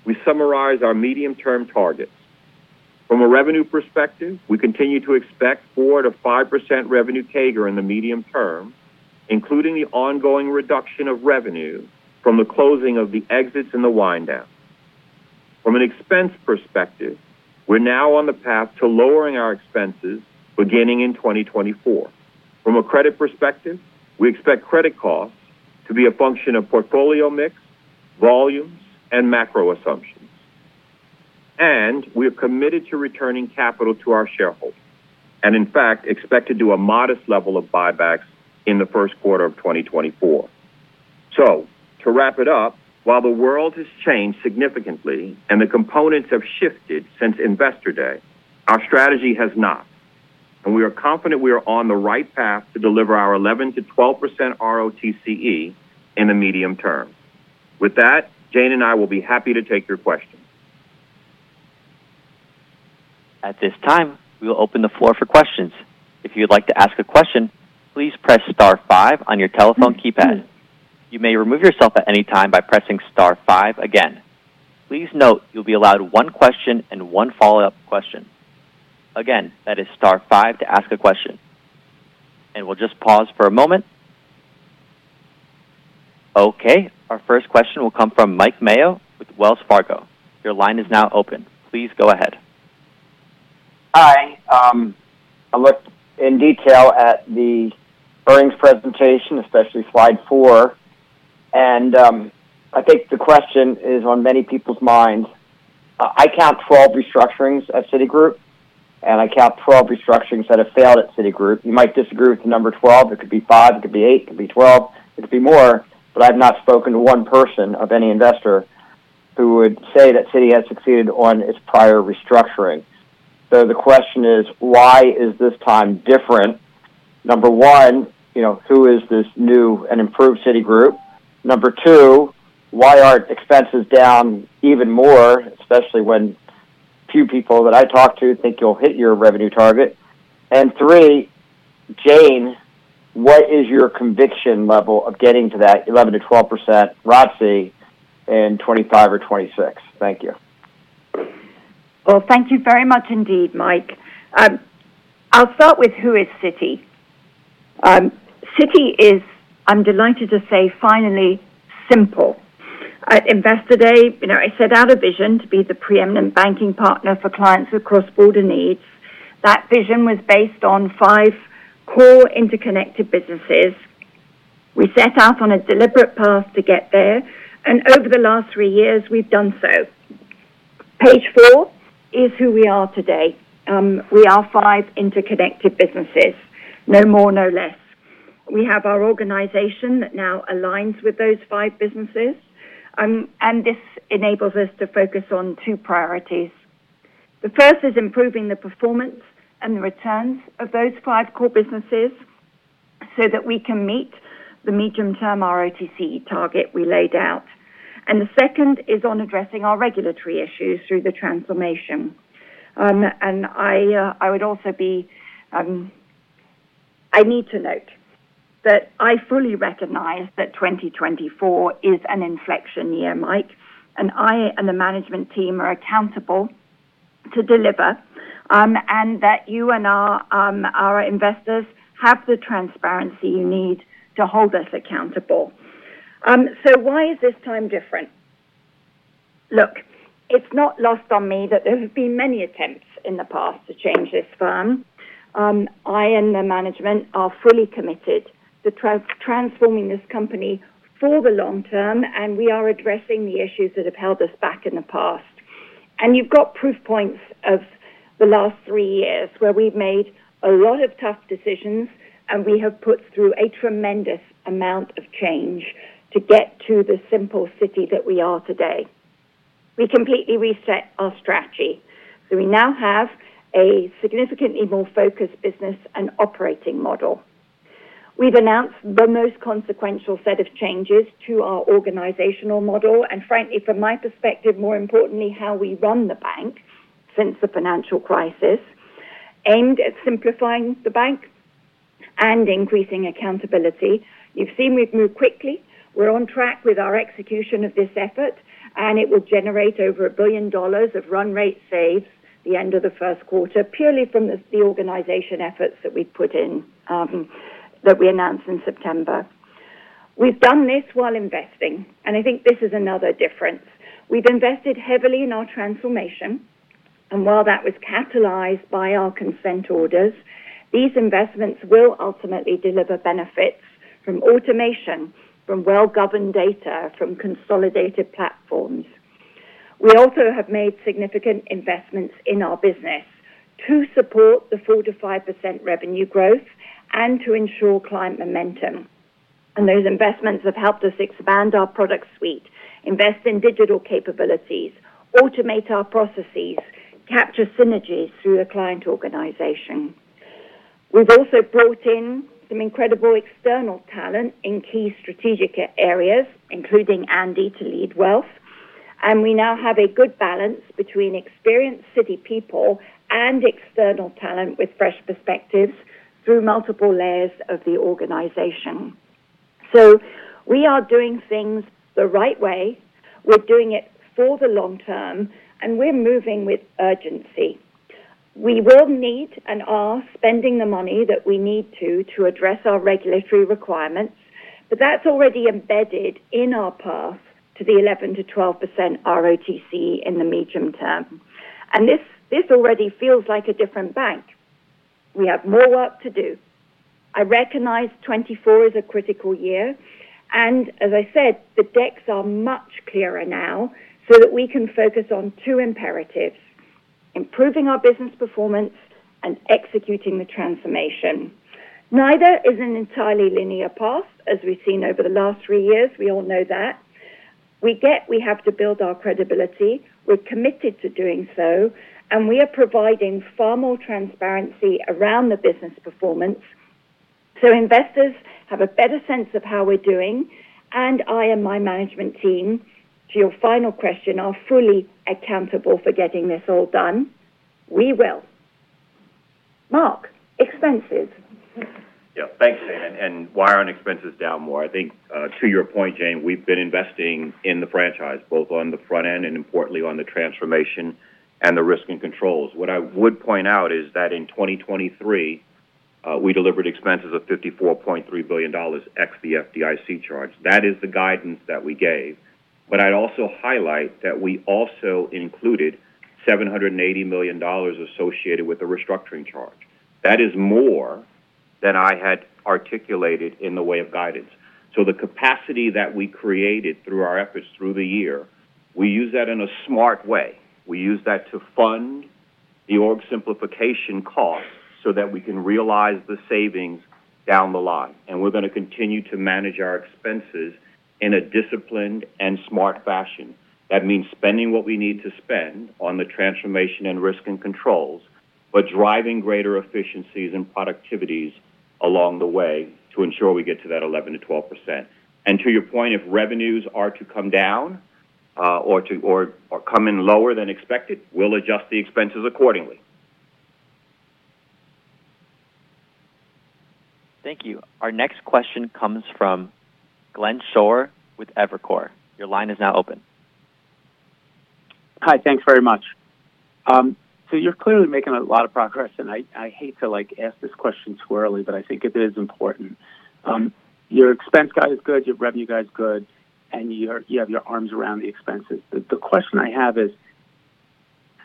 Speaker 4: we summarize our medium-term targets. From a revenue perspective, we continue to expect 4%-5% revenue CAGR in the medium term, including the ongoing reduction of revenue from the closing of the exits and the wind down. From an expense perspective, we're now on the path to lowering our expenses beginning in 2024. From a credit perspective, we expect credit costs to be a function of portfolio mix, volumes, and macro assumptions. And we are committed to returning capital to our shareholders, and in fact, expect to do a modest level of buybacks in the first quarter of 2024. So to wrap it up, while the world has changed significantly and the components have shifted since Investor Day, our strategy has not. We are confident we are on the right path to deliver our 11%-12% ROTCE in the medium term. With that, Jane and I will be happy to take your questions.
Speaker 1: At this time, we will open the floor for questions. If you'd like to ask a question, please press star five on your telephone keypad. You may remove yourself at any time by pressing star five again. Please note, you'll be allowed one question and one follow-up question. Again, that is star five to ask a question. And we'll just pause for a moment. Okay, our first question will come from Mike Mayo with Wells Fargo. Your line is now open. Please go ahead.
Speaker 5: Hi, I looked in detail at the earnings presentation, especially slide four, and, I think the question is on many people's minds. I, I count 12 restructurings at Citigroup, and I count 12 restructurings that have failed at Citigroup. You might disagree with the number 12. It could be five, it could be eight it could be 12, it could be more, but I've not spoken to one person of any investor who would say that Citi has succeeded on its prior restructuring. So the question is: Why is this time different?...Number one, you know, who is this new and improved Citigroup? Number two, why are expenses down even more, especially when few people that I talk to think you'll hit your revenue target? And three, Jane, what is your conviction level of getting to that 11%-12% ROTCE in 2025 or 2026? Thank you.
Speaker 3: Well, thank you very much indeed, Mike. I'll start with who is Citi. Citi is, I'm delighted to say, finally, simple. At Investor Day, you know, I set out a vision to be the preeminent banking partner for clients across border needs. That vision was based on five core interconnected businesses. We set out on a deliberate path to get there, and over the last three years, we've done so. Page four is who we are today. We are five interconnected businesses, no more, no less. We have our organization that now aligns with those five businesses, and this enables us to focus on two priorities. The first is improving the performance and the returns of those five core businesses so that we can meet the medium-term ROTCE target we laid out. The second is on addressing our regulatory issues through the transformation. I need to note that I fully recognize that 2024 is an inflection year, Mike, and I and the management team are accountable to deliver, and that you and our investors have the transparency you need to hold us accountable. So why is this time different? Look, it's not lost on me that there have been many attempts in the past to change this firm. I and the management are fully committed to transforming this company for the long term, and we are addressing the issues that have held us back in the past. You've got proof points of the last three years, where we've made a lot of tough decisions, and we have put through a tremendous amount of change to get to the simple Citi that we are today. We completely reset our strategy, so we now have a significantly more focused business and operating model. We've announced the most consequential set of changes to our organizational model, and frankly, from my perspective, more importantly, how we run the bank since the financial crisis, aimed at simplifying the bank and increasing accountability. You've seen we've moved quickly. We're on track with our execution of this effort, and it will generate over $1 billion of run rate saves by the end of the first quarter, purely from the organization efforts that we've put in, that we announced in September. We've done this while investing, and I think this is another difference. We've invested heavily in our transformation, and while that was catalyzed by our consent orders, these investments will ultimately deliver benefits from automation, from well-governed data, from consolidated platforms. We also have made significant investments in our business to support the 4%-5% revenue growth and to ensure client momentum. And those investments have helped us expand our product suite, invest in digital capabilities, automate our processes, capture synergies through the client organization. We've also brought in some incredible external talent in key strategic areas, including Andy, to lead Wealth. And we now have a good balance between experienced Citi people and external talent with fresh perspectives through multiple layers of the organization. So we are doing things the right way, we're doing it for the long term, and we're moving with urgency. We will need and are spending the money that we need to, to address our regulatory requirements, but that's already embedded in our path to the 11%-12% ROTCE in the medium term. And this, this already feels like a different bank. We have more work to do. I recognize 2024 is a critical year, and as I said, the decks are much clearer now so that we can focus on two imperatives: improving our business performance and executing the transformation. Neither is an entirely linear path, as we've seen over the last three years. We all know that. We get we have to build our credibility. We're committed to doing so, and we are providing far more transparency around the business performance, so investors have a better sense of how we're doing. And I and my management team, to your final question, are fully accountable for getting this all done. We will. Mark, expenses.
Speaker 4: Yeah. Thanks, Jane. And why aren't expenses down more? I think, to your point, Jane, we've been investing in the franchise, both on the front end and importantly, on the transformation and the risk and controls. What I would point out is that in 2023, we delivered expenses of $54.3 billion ex the FDIC charge. That is the guidance that we gave. But I'd also highlight that we also included $780 million associated with the restructuring charge. That is more than I had articulated in the way of guidance. So the capacity that we created through our efforts through the year, we use that in a smart way. We use that to fund the org simplification cost so that we can realize the savings down the line. We're gonna continue to manage our expenses in a disciplined and smart fashion. That means spending what we need to spend on the transformation and risk and controls, but driving greater efficiencies and productivities along the way to ensure we get to that 11%-12%. To your point, if revenues are to come down, or come in lower than expected, we'll adjust the expenses accordingly.
Speaker 1: Thank you. Our next question comes from Glenn Schorr with Evercore. Your line is now open.
Speaker 6: Hi, thanks very much. So you're clearly making a lot of progress, and I, I hate to, like, ask this question squarely, but I think it is important. Your expense guide is good, your revenue guide is good, and you're- you have your arms around the expenses. But the question I have is: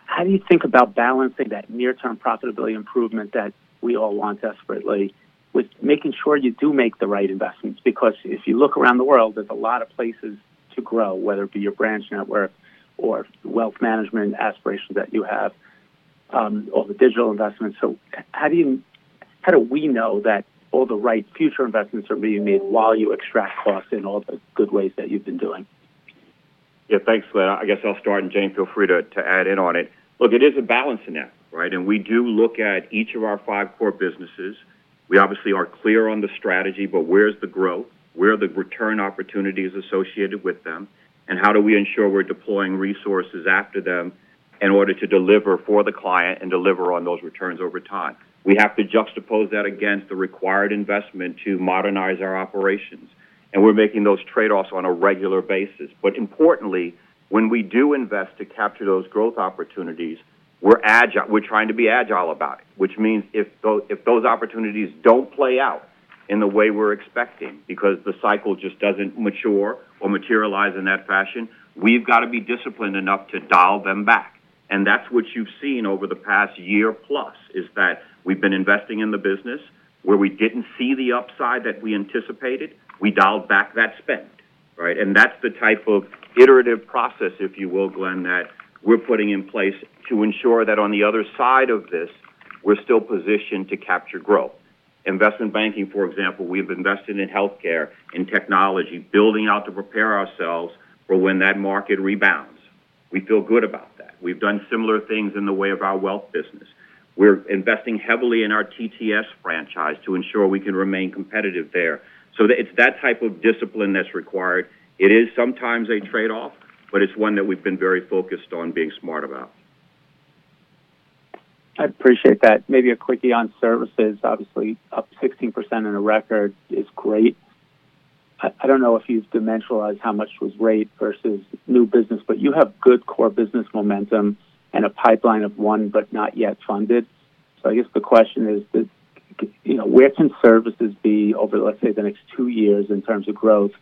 Speaker 6: how do you think about balancing that near-term profitability improvement that we all want desperately, with making sure you do make the right investments? Because if you look around the world, there's a lot of places to grow, whether it be your branch network or Wealth management aspirations that you have, or the digital investments. So how do you, how do we know that all the right future investments are being made while you extract costs in all the good ways that you've been doing?
Speaker 4: Yeah, thanks, Glenn. I guess I'll start, and Jane, feel free to, to add in on it. Look, it is a balancing act, right? We do look at each of our five core businesses. We obviously are clear on the strategy, but where's the growth? Where are the return opportunities associated with them, and how do we ensure we're deploying resources after them in order to deliver for the client and deliver on those returns over time? We have to juxtapose that against the required investment to modernize our operations, and we're making those trade-offs on a regular basis. But importantly, when we do invest to capture those growth opportunities, we're agile. We're trying to be agile about it, which means if those opportunities don't play out in the way we're expecting because the cycle just doesn't mature or materialize in that fashion, we've got to be disciplined enough to dial them back. And that's what you've seen over the past year plus, is that we've been investing in the business where we didn't see the upside that we anticipated. We dialed back that spend, right? And that's the type of iterative process, if you will, Glenn, that we're putting in place to ensure that on the other side of this, we're still positioned to capture growth. Investment Banking, for example, we've invested in healthcare, in technology, building out to prepare ourselves for when that market rebounds. We feel good about that. We've done similar things in the way of our Wealth business. We're investing heavily in our TTS franchise to ensure we can remain competitive there. It's that type of discipline that's required. It is sometimes a trade-off, but it's one that we've been very focused on being smart about.
Speaker 6: I appreciate that. Maybe a quickie on services. Obviously, up 16% in a record is great. I don't know if you've dimensionalized how much was rate versus new business, but you have good core business momentum and a pipeline of one, but not yet funded. So I guess the question is, you know, where can services be over, let's say, the next two years in terms of growth,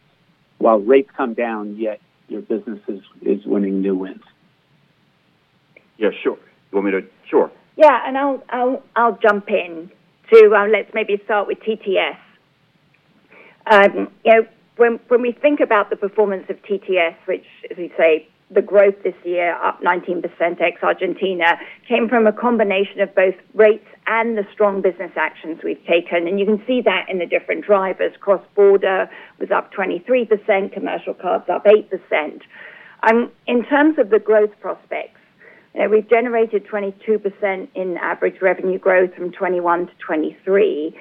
Speaker 6: while rates come down, yet your business is winning new wins?
Speaker 4: Yeah, sure. You want me to... Sure.
Speaker 3: Yeah, and I'll jump in, too. Let's maybe start with TTS. You know, when we think about the performance of TTS, which, as we say, the growth this year, up 19% ex Argentina, came from a combination of both rates and the strong business actions we've taken. And you can see that in the different drivers. Cross-border was up 23%, commercial Cards up 8%. In terms of the growth prospects, we've generated 22% in average revenue growth from 2021 to 2023,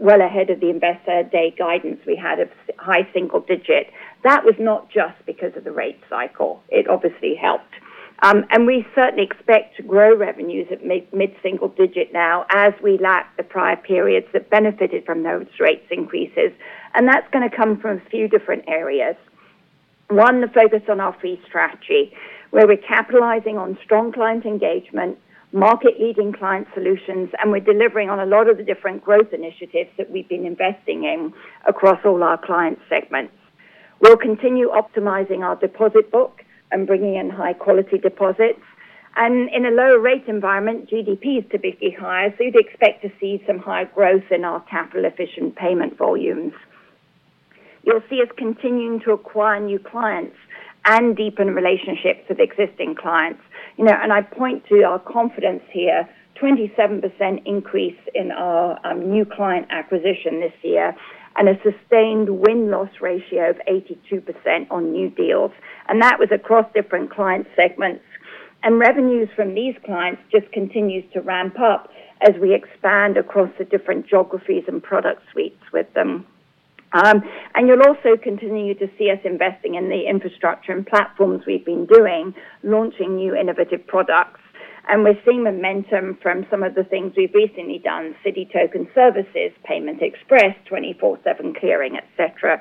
Speaker 3: well ahead of the Investor Day guidance we had of high single-digit. That was not just because of the rate cycle. It obviously helped. And we certainly expect to grow revenues at mid-single-digit now as we lap the prior periods that benefited from those rates increases. That's going to come from a few different areas. One, the focus on our fee strategy, where we're capitalizing on strong client engagement, market-leading client solutions, and we're delivering on a lot of the different growth initiatives that we've been investing in across all our client segments. We'll continue optimizing our deposit book and bringing in high-quality deposits. In a lower rate environment, GDP is typically higher, so you'd expect to see some high growth in our capital-efficient payment volumes. You'll see us continuing to acquire new clients and deepen relationships with existing clients. You know, and I point to our confidence here, 27% increase in our new client acquisition this year, and a sustained win-loss ratio of 82% on new deals, and that was across different client segments. Revenues from these clients just continues to ramp up as we expand across the different geographies and product suites with them. You'll also continue to see us investing in the infrastructure and platforms we've been doing, launching new innovative products, and we're seeing momentum from some of the things we've recently done, Citi Token Services, Payment Express, 24/7 clearing, et cetera.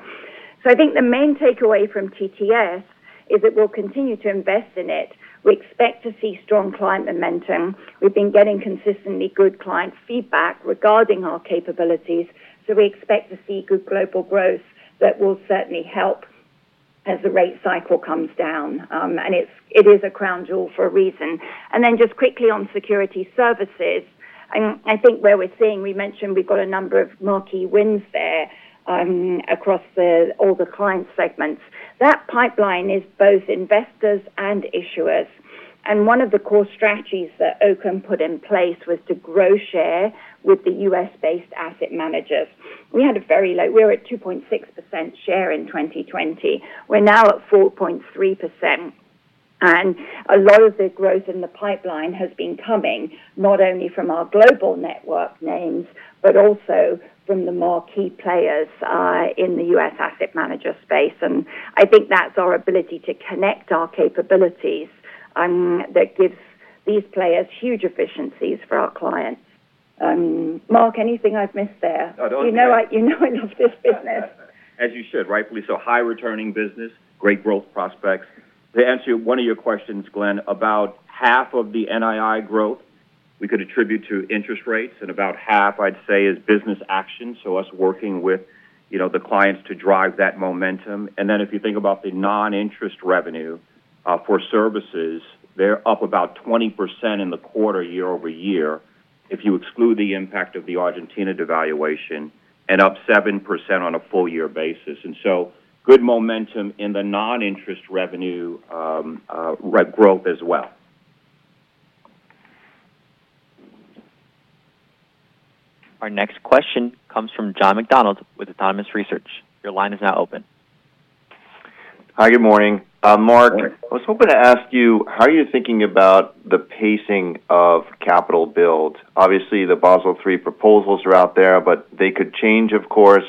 Speaker 3: So I think the main takeaway from TTS is that we'll continue to invest in it. We expect to see strong client momentum. We've been getting consistently good client feedback regarding our capabilities, so we expect to see good global growth that will certainly help as the rate cycle comes down. It is a crown jewel for a reason. Then just quickly on Security Services, I think where we're seeing, we mentioned we've got a number of marquee wins there, across all the client segments. That pipeline is both investors and issuers, and one of the core strategies that Oaken put in place was to grow share with the U.S.-based asset managers. We had a very low... We were at 2.6% share in 2020. We're now at 4.3%.... And a lot of the growth in the pipeline has been coming, not only from our global network names, but also from the marquee players, in the U.S. asset manager space. And I think that's our ability to connect our capabilities, that gives these players huge efficiencies for our clients. Mark, anything I've missed there?
Speaker 4: No, don't-
Speaker 3: You know, I, you know I love this business.
Speaker 4: As you should, rightfully so. High returning business, great growth prospects. To answer one of your questions, Glenn, about half of the NII growth we could attribute to interest rates, and about half, I'd say, is business action. So us working with, you know, the clients to drive that momentum. And then, if you think about the non-interest revenue, for services, they're up about 20% in the quarter, year-over-year, if you exclude the impact of the Argentina devaluation, and up 7% on a full-year basis. And so good momentum in the non-interest revenue, rev growth as well.
Speaker 1: Our next question comes from John McDonald with Autonomous Research. Your line is now open.
Speaker 7: Hi, good morning. Mark-
Speaker 4: Hi.
Speaker 7: I was hoping to ask you, how are you thinking about the pacing of capital build? Obviously, the Basel III proposals are out there, but they could change, of course.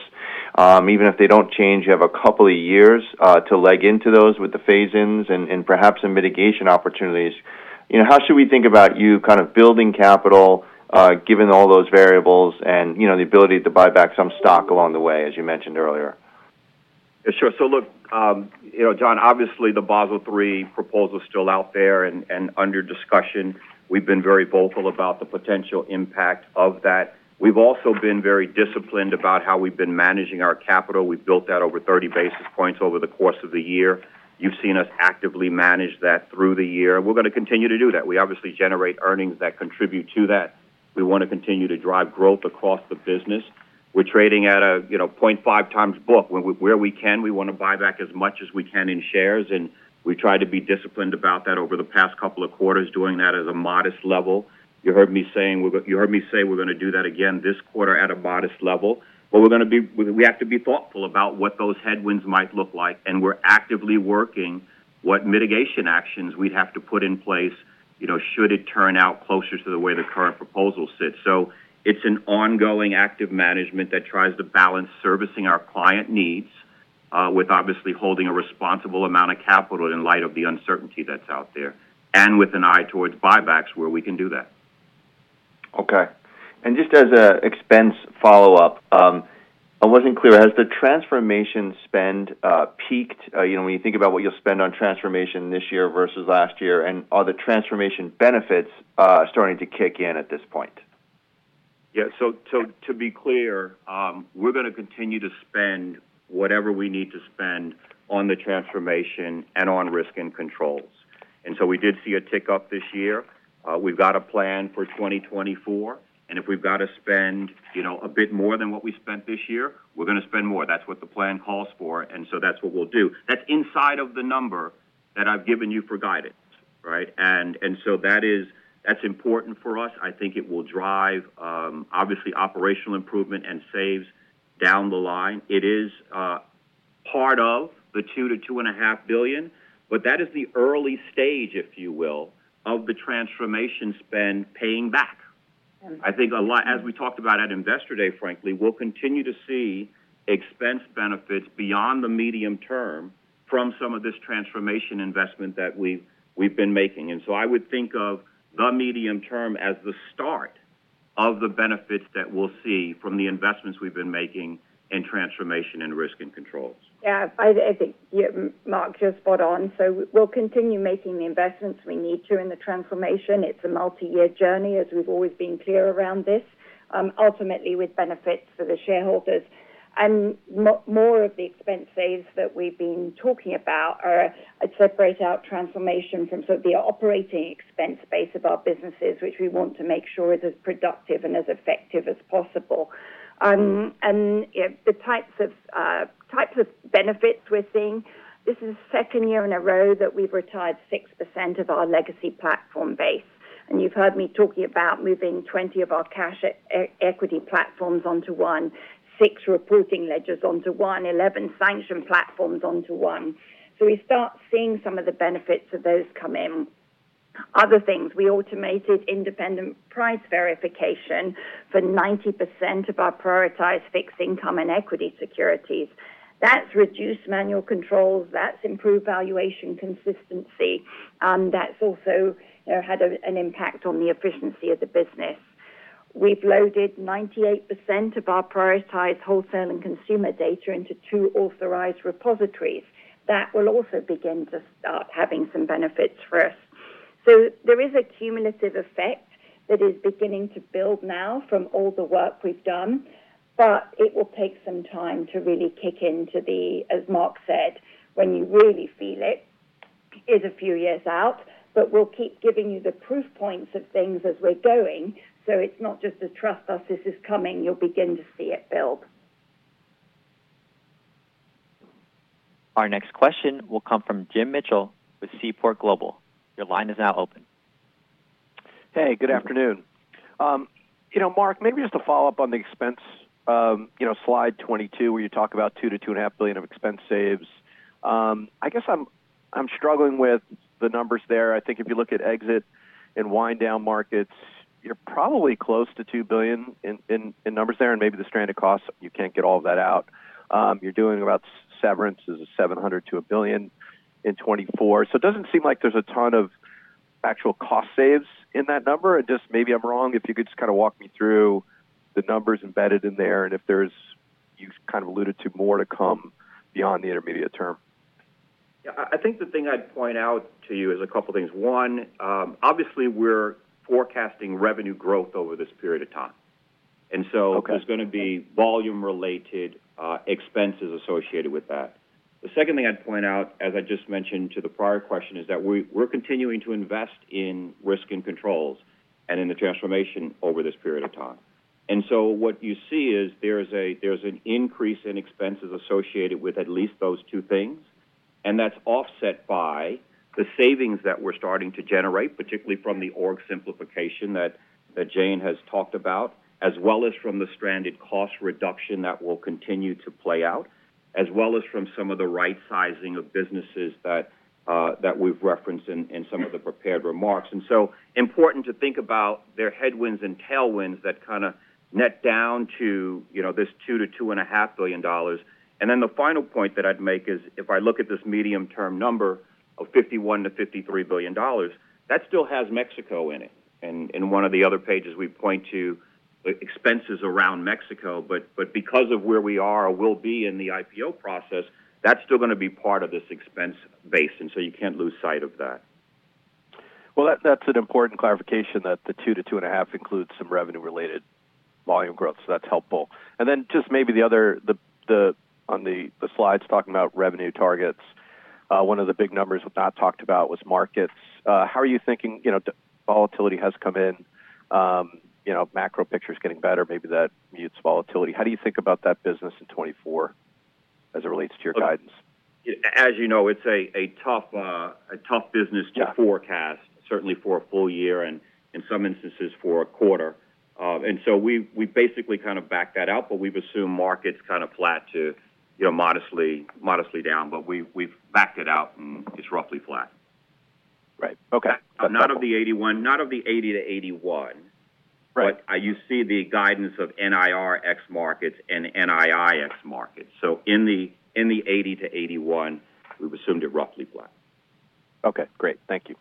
Speaker 7: Even if they don't change, you have a couple of years, to leg into those with the phase-ins and, and perhaps some mitigation opportunities. You know, how should we think about you kind of building capital, given all those variables and, you know, the ability to buy back some stock along the way, as you mentioned earlier?
Speaker 4: Sure. So look, you know, John, obviously, the Basel III proposal is still out there and, and under discussion. We've been very vocal about the potential impact of that. We've also been very disciplined about how we've been managing our capital. We've built that over 30 basis points over the course of the year. You've seen us actively manage that through the year. We're gonna continue to do that. We obviously generate earnings that contribute to that. We want to continue to drive growth across the business. We're trading at a, you know, 0.5x book. Where we, where we can, we want to buy back as much as we can in shares, and we try to be disciplined about that over the past couple of quarters, doing that at a modest level. You heard me say we're gonna do that again this quarter at a modest level. But we're gonna be... We have to be thoughtful about what those headwinds might look like, and we're actively working what mitigation actions we'd have to put in place, you know, should it turn out closer to the way the current proposal sits. So it's an ongoing active management that tries to balance servicing our client needs, with obviously holding a responsible amount of capital in light of the uncertainty that's out there, and with an eye towards buybacks, where we can do that.
Speaker 7: Okay. And just as an expense follow-up, I wasn't clear, has the transformation spend peaked? You know, when you think about what you'll spend on transformation this year versus last year, and are the transformation benefits starting to kick in at this point?
Speaker 4: Yeah, so, so to be clear, we're gonna continue to spend whatever we need to spend on the transformation and on risk and controls. And so we did see a tick-up this year. We've got a plan for 2024, and if we've got to spend, you know, a bit more than what we spent this year, we're gonna spend more. That's what the plan calls for, and so that's what we'll do. That's inside of the number that I've given you for guidance, right? And, and so that is, that's important for us. I think it will drive, obviously, operational improvement and saves down the line. It is, part of the $2 billion-$2.5 billion, but that is the early stage, if you will, of the transformation spend paying back. I think a lot, as we talked about at Investor Day, frankly, we'll continue to see expense benefits beyond the medium term from some of this transformation investment that we've been making. And so I would think of the medium term as the start of the benefits that we'll see from the investments we've been making in transformation and risk and controls.
Speaker 3: Yeah, I think, yeah, Mark, you're spot on. So we'll continue making the investments we need to in the transformation. It's a multi-year journey, as we've always been clear around this, ultimately, with benefits for the shareholders. And more of the expense saves that we've been talking about are, I'd separate out transformation from sort of the operating expense base of our businesses, which we want to make sure is as productive and as effective as possible. And, you know, the types of benefits we're seeing, this is the second year in a row that we've retired 6% of our legacy platform base. And you've heard me talking about moving 20 of our cash equity platforms onto one, six reporting ledgers onto one, 11 sanction platforms onto one. So we start seeing some of the benefits of those come in. Other things, we automated independent price verification for 90% of our prioritized fixed income and equity securities. That's reduced manual controls, that's improved valuation consistency, that's also had an impact on the efficiency of the business. We've loaded 98% of our prioritized wholesale and consumer data into two authorized repositories. That will also begin to start having some benefits for us. So there is a cumulative effect that is beginning to build now from all the work we've done, but it will take some time to really kick into the... As Mark said, "When you really feel it, is a few years out." But we'll keep giving you the proof points of things as we're going, so it's not just a, "Trust us, this is coming." You'll begin to see it build.
Speaker 1: Our next question will come from Jim Mitchell with Seaport Global. Your line is now open.
Speaker 8: Hey, good afternoon. You know, Mark, maybe just to follow up on the expense, you know, slide 22, where you talk about $2 billion-$2.5 billion of expense saves. I guess I'm struggling with the numbers there. I think if you look at exit and wind down markets, you're probably close to $2 billion in numbers there, and maybe the stranded costs, you can't get all that out. You're doing about severances of $700 million-$1 billion in 2024. So it doesn't seem like there's a ton of actual cost saves in that number. Just maybe I'm wrong. If you could just kind of walk me through the numbers embedded in there, and if there's, you kind of alluded to more to come beyond the intermediate term.
Speaker 4: Yeah. I, I think the thing I'd point out to you is a couple things. One, obviously, we're forecasting revenue growth over this period of time.
Speaker 8: Okay.
Speaker 4: There's going to be volume-related expenses associated with that. The second thing I'd point out, as I just mentioned to the prior question, is that we're continuing to invest in risk and controls and in the transformation over this period of time. What you see is there's an increase in expenses associated with at least those two things, and that's offset by the savings that we're starting to generate, particularly from the org simplification that Jane has talked about, as well as from the stranded cost reduction that will continue to play out, as well as from some of the right sizing of businesses that we've referenced in some of the prepared remarks. So important to think about their headwinds and tailwinds that kind of net down to, you know, this $2 billion-$2.5 billion. And then the final point that I'd make is, if I look at this medium-term number of $51 billion-$53 billion, that still has Mexico in it. And in one of the other pages, we point to expenses around Mexico, but because of where we are or will be in the IPO process, that's still going to be part of this expense base, and so you can't lose sight of that.
Speaker 8: Well, that's an important clarification that the 2-2.5 includes some revenue-related volume growth, so that's helpful. And then just maybe the other on the slides talking about revenue targets, one of the big numbers not talked about was Markets. How are you thinking, you know, the volatility has come in, you know, macro picture is getting better. Maybe that mutes volatility. How do you think about that business in 2024 as it relates to your guidance?
Speaker 4: As you know, it's a tough business-
Speaker 8: Yeah
Speaker 4: to forecast, certainly for a full year and in some instances for a quarter. And so we basically kind of back that out, but we've assumed market's kind of flat to, you know, modestly down, but we've backed it out, and it's roughly flat.
Speaker 8: Right. Okay.
Speaker 4: Not of the 81. Not of the 80 to 81.
Speaker 8: Right.
Speaker 4: But you see the guidance of NIR ex markets and NII ex markets. So in the 80-81, we've assumed it roughly flat.
Speaker 8: Okay, great. Thank you.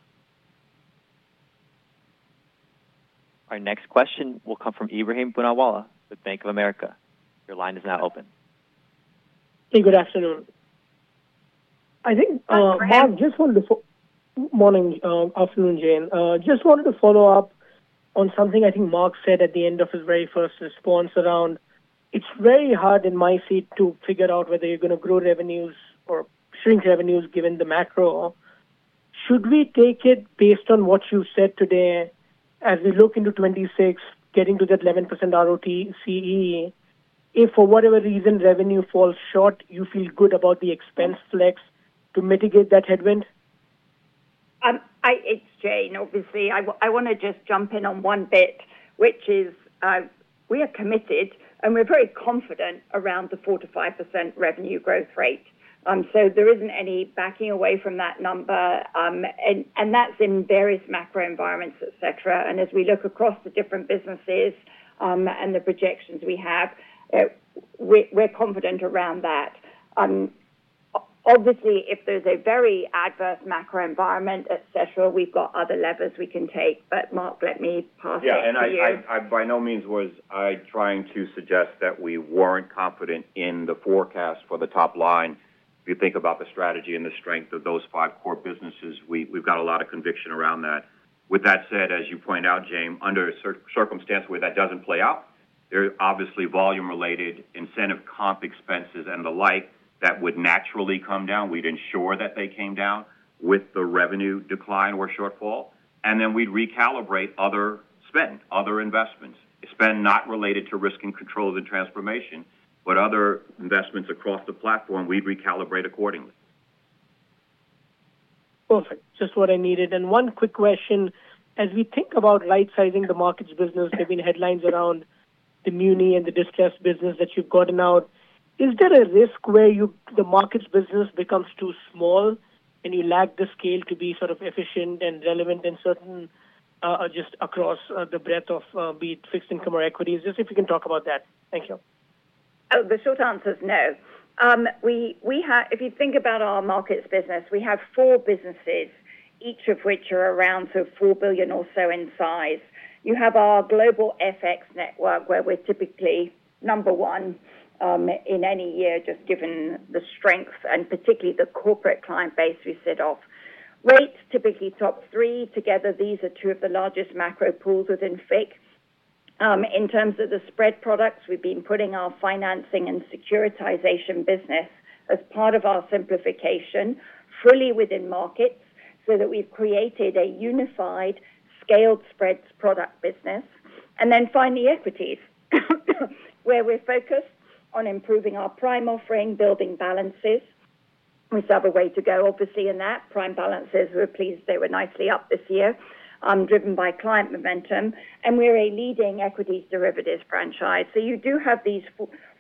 Speaker 1: Our next question will come from Ebrahim Poonawala with Bank of America. Your line is now open.
Speaker 9: Hey, good afternoon. I think,
Speaker 4: Hi, Ebrahim.
Speaker 9: Just wanted to follow... Morning, afternoon, Jane. Just wanted to follow up on something I think Mark said at the end of his very first response around, it's very hard in my seat to figure out whether you're going to grow revenues or shrink revenues, given the macro. Should we take it based on what you said today, as we look into 2026, getting to that 11% ROTCE, if for whatever reason, revenue falls short, you feel good about the expense flex to mitigate that headwind?
Speaker 3: It's Jane, obviously. I want to just jump in on one bit, which is, we are committed, and we're very confident around the 4%-5% revenue growth rate. So there isn't any backing away from that number, and that's in various macro environments, et cetera. And as we look across the different businesses, and the projections we have, we're confident around that. Obviously, if there's a very adverse macro environment, et cetera, we've got other levers we can take. But Mark, let me pass it to you.
Speaker 4: Yeah, and I by no means was I trying to suggest that we weren't confident in the forecast for the top line. If you think about the strategy and the strength of those five core businesses, we, we've got a lot of conviction around that. With that said, as you point out, Jim, under a circumstance where that doesn't play out, there are obviously volume-related incentive comp expenses and the like that would naturally come down. We'd ensure that they came down with the revenue decline or shortfall, and then we'd recalibrate other spend, other investments. Spend not related to risk and control of the transformation, but other investments across the platform, we'd recalibrate accordingly.
Speaker 9: Perfect. Just what I needed. And one quick question. As we think about right-sizing the markets business, there have been headlines around the muni and the DCM business that you've gotten out. Is there a risk where you-the Markets business becomes too small, and you lack the scale to be sort of efficient and relevant in certain, just across, the breadth of, be it fixed income or equities? Just if you can talk about that. Thank you.
Speaker 3: Oh, the short answer is no. We have. If you think about our Markets business, we have four businesses, each of which are around, so $4 billion or so in size. You have our global FX network, where we're typically number one, in any year, just given the strength and particularly the corporate client base we serve. Rates, typically top three. Together, these are two of the largest macro pools within fix. In terms of the Spread Products, we've been putting our financing and securitization business as part of our simplification fully within Markets, so that we've created a unified scaled Spread Products business. And then finally, equities, where we're focused on improving our prime offering, building balances. We still have a way to go, obviously, in that. Prime balances, we're pleased they were nicely up this year, driven by client momentum, and we're a leading equities derivatives franchise. So you do have these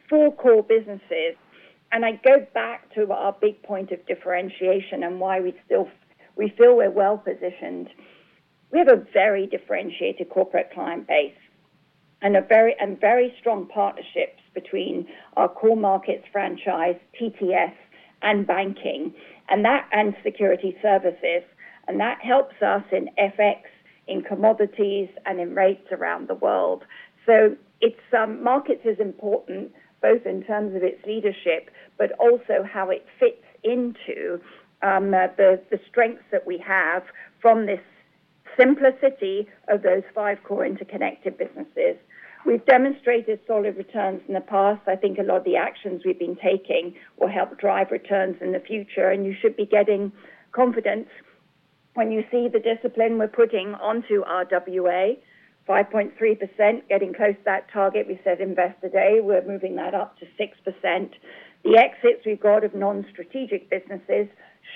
Speaker 3: four core businesses, and I go back to our big point of differentiation and why we still feel we're well-positioned. We have a very differentiated corporate client base and a very strong partnerships between our core markets franchise, TTS, and Banking, and Security Services, and that helps us in FX, in commodities, and in rates around the world. So it's markets is important, both in terms of its leadership, but also how it fits into the strengths that we have from this simplicity of those five core interconnected businesses. We've demonstrated solid returns in the past. I think a lot of the actions we've been taking will help drive returns in the future, and you should be getting confidence when you see the discipline we're putting onto our RWA, 5.3%, getting close to that target. We said Investor Day, we're moving that up to 6%. The exits we've got of non-strategic businesses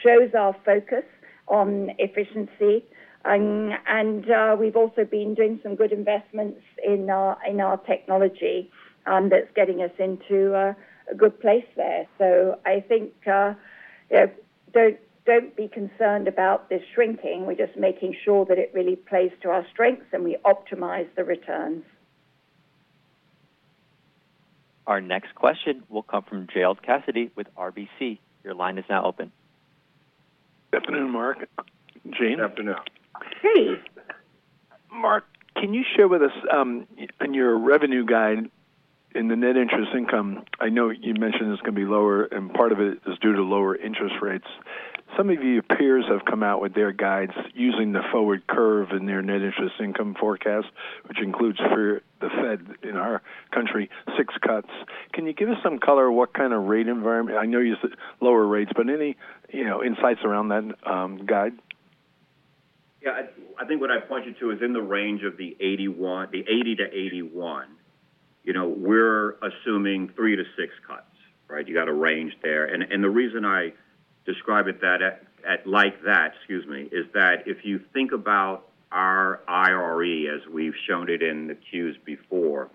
Speaker 3: shows our focus on efficiency. And we've also been doing some good investments in our, in our technology, that's getting us into a, a good place there. So I think, you know, don't, don't be concerned about this shrinking. We're just making sure that it really plays to our strengths, and we optimize the returns.
Speaker 1: Our next question will come from Gerald Cassidy with RBC. Your line is now open.
Speaker 10: Good afternoon, Mark. Jane. Afternoon.
Speaker 3: Hey.
Speaker 10: Mark, can you share with us, in your revenue guide, in the net interest income, I know you mentioned it's going to be lower, and part of it is due to lower interest rates. Some of your peers have come out with their guides using the forward curve in their net interest income forecast, which includes for the Fed in our country, six cuts. Can you give us some color what kind of rate environment... I know you said lower rates, but any, you know, insights around that, guide?
Speaker 4: Yeah, I think what I'd point you to is in the range of the 80-81. You know, we're assuming three-six cuts, right? You got a range there. And the reason I describe it that way, excuse me, is that if you think about our IRE, as we've shown it in the Qs before,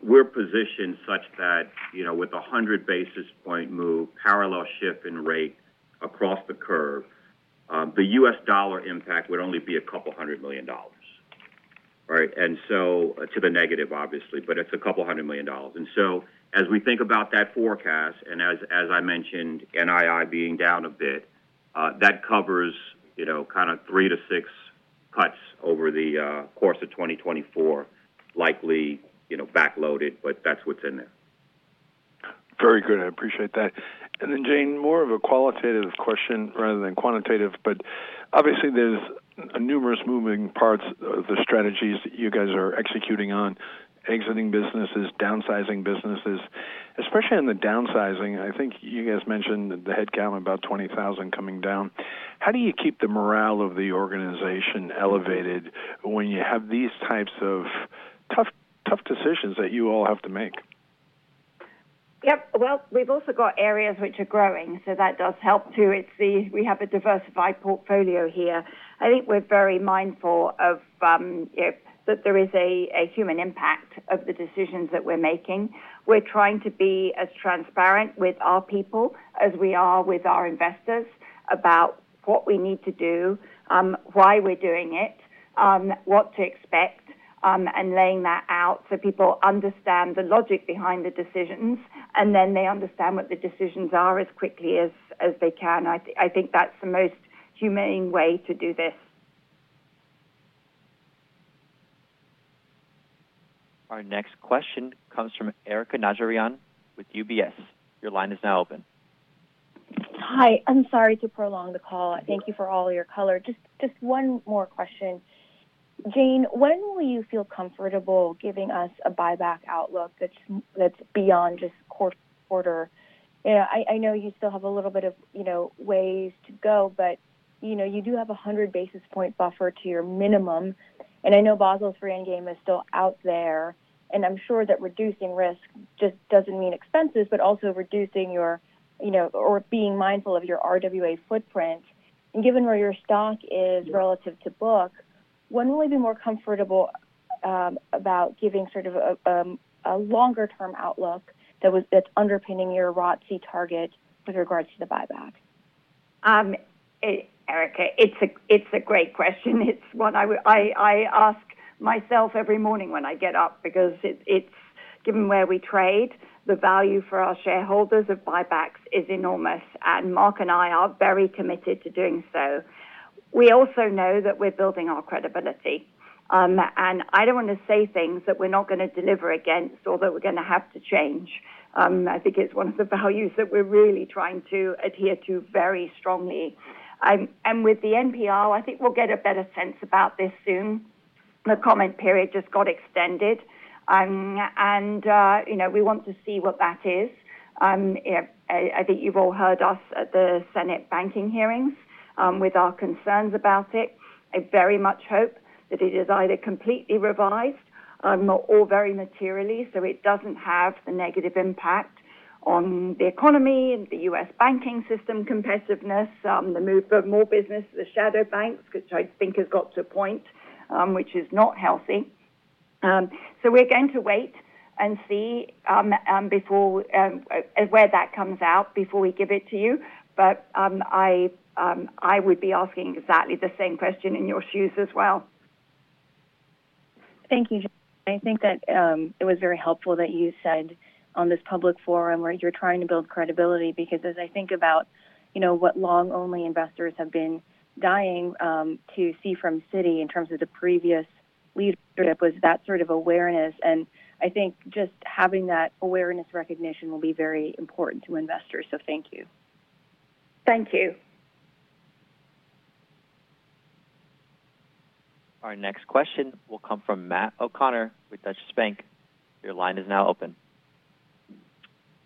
Speaker 4: we're positioned such that, you know, with a 100 basis point move, parallel shift in rate across the curve, the U.S. dollar impact would only be a couple $100 million, right? And so, to the negative, obviously, but it's a couple $100 million. And so as we think about that forecast, and as I mentioned, NII being down a bit, that covers, you know, kind of three to six cuts over the course of 2024, likely, you know, backloaded, but that's what's in there.
Speaker 10: Very good. I appreciate that. And then, Jane, more of a qualitative question rather than quantitative, but obviously, there's numerous moving parts of the strategies that you guys are executing on, exiting businesses, downsizing businesses. Especially on the downsizing, I think you guys mentioned the headcount about 20,000 coming down. How do you keep the morale of the organization elevated when you have these types of tough, tough decisions that you all have to make?
Speaker 3: Yep. Well, we've also got areas which are growing, so that does help, too. It's, we have a diversified portfolio here. I think we're very mindful of that there is a human impact of the decisions that we're making. We're trying to be as transparent with our people as we are with our investors about what we need to do, why we're doing it, what to expect, and laying that out so people understand the logic behind the decisions, and then they understand what the decisions are as quickly as they can. I think that's the most humane way to do this.
Speaker 1: Our next question comes from Erika Najarian with UBS. Your line is now open.
Speaker 11: Hi. I'm sorry to prolong the call. Thank you for all your color. Just, just one more question. Jane, when will you feel comfortable giving us a buyback outlook that's, that's beyond just quarter to quarter? I, I know you still have a little bit of, you know, ways to go, but, you know, you do have a 100 basis points buffer to your minimum, and I know Basel III endgame is still out there, and I'm sure that reducing risk just doesn't mean expenses, but also reducing your, you know, or being mindful of your RWA footprint. And given where your stock is relative to book, when will you be more comfortable about giving sort of a, a longer-term outlook that's underpinning your ROTCE target with regards to the buyback?
Speaker 3: Erika, it's a great question. It's one I would ask myself every morning when I get up because it's, given where we trade, the value for our shareholders of buybacks is enormous, and Mark and I are very committed to doing so. We also know that we're building our credibility, and I don't want to say things that we're not gonna deliver against or that we're gonna have to change. I think it's one of the values that we're really trying to adhere to very strongly. And with the NPR, I think we'll get a better sense about this soon. The comment period just got extended, and you know, we want to see what that is. I think you've all heard us at the Senate banking hearings with our concerns about it. I very much hope that it is either completely revised all very materially, so it doesn't have the negative impact on the economy and the U.S. Banking System competitiveness, the move of more business, the shadow banks, which I think has got to a point, which is not healthy. So we're going to wait and see, before where that comes out before we give it to you. But I would be asking exactly the same question in your shoes as well.
Speaker 11: Thank you. I think that it was very helpful that you said on this public forum where you're trying to build credibility, because as I think about, you know, what long-only investors have been dying to see from Citi in terms of the previous leadership, was that sort of awareness. And I think just having that awareness recognition will be very important to investors. So thank you.
Speaker 3: Thank you.
Speaker 1: Our next question will come from Matt O'Connor with Deutsche Bank. Your line is now open.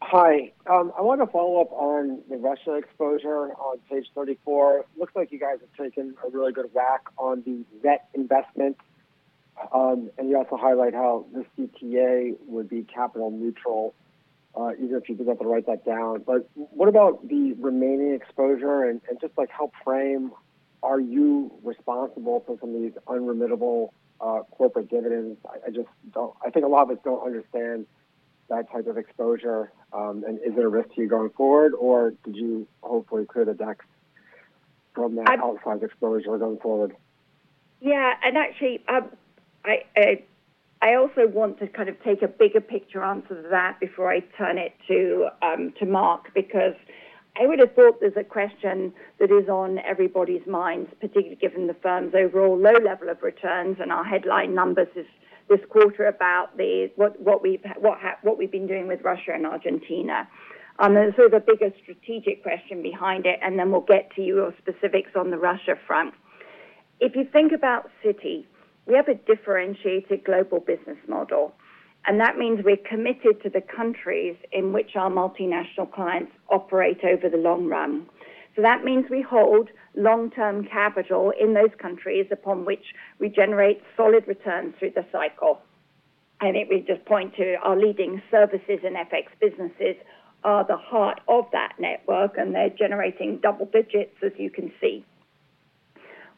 Speaker 12: Hi. I want to follow up on the Russia exposure on page 34. It looks like you guys have taken a really good whack on the net investment, and you also highlight how this CTA would be capital neutral, even if you forgot to write that down. But what about the remaining exposure? And just like, how are you responsible for some of these unremittable corporate dividends? I just don't-- I think a lot of us don't understand that type of exposure. And is there a risk to you going forward, or did you hopefully clear the decks from that outside exposure going forward?
Speaker 3: Yeah, and actually, I also want to kind of take a bigger picture answer to that before I turn it to Mark, because I would have thought there's a question that is on everybody's minds, particularly given the firm's overall low level of returns and our headline numbers this quarter, about what we've been doing with Russia and Argentina. And sort of the bigger strategic question behind it, and then we'll get to your specifics on the Russia front. If you think about Citi, we have a differentiated global business model, and that means we're committed to the countries in which our multinational clients operate over the long run. So that means we hold long-term capital in those countries upon which we generate solid returns through the cycle. It would just point to our leading services and FX businesses are the heart of that network, and they're generating double digits, as you can see.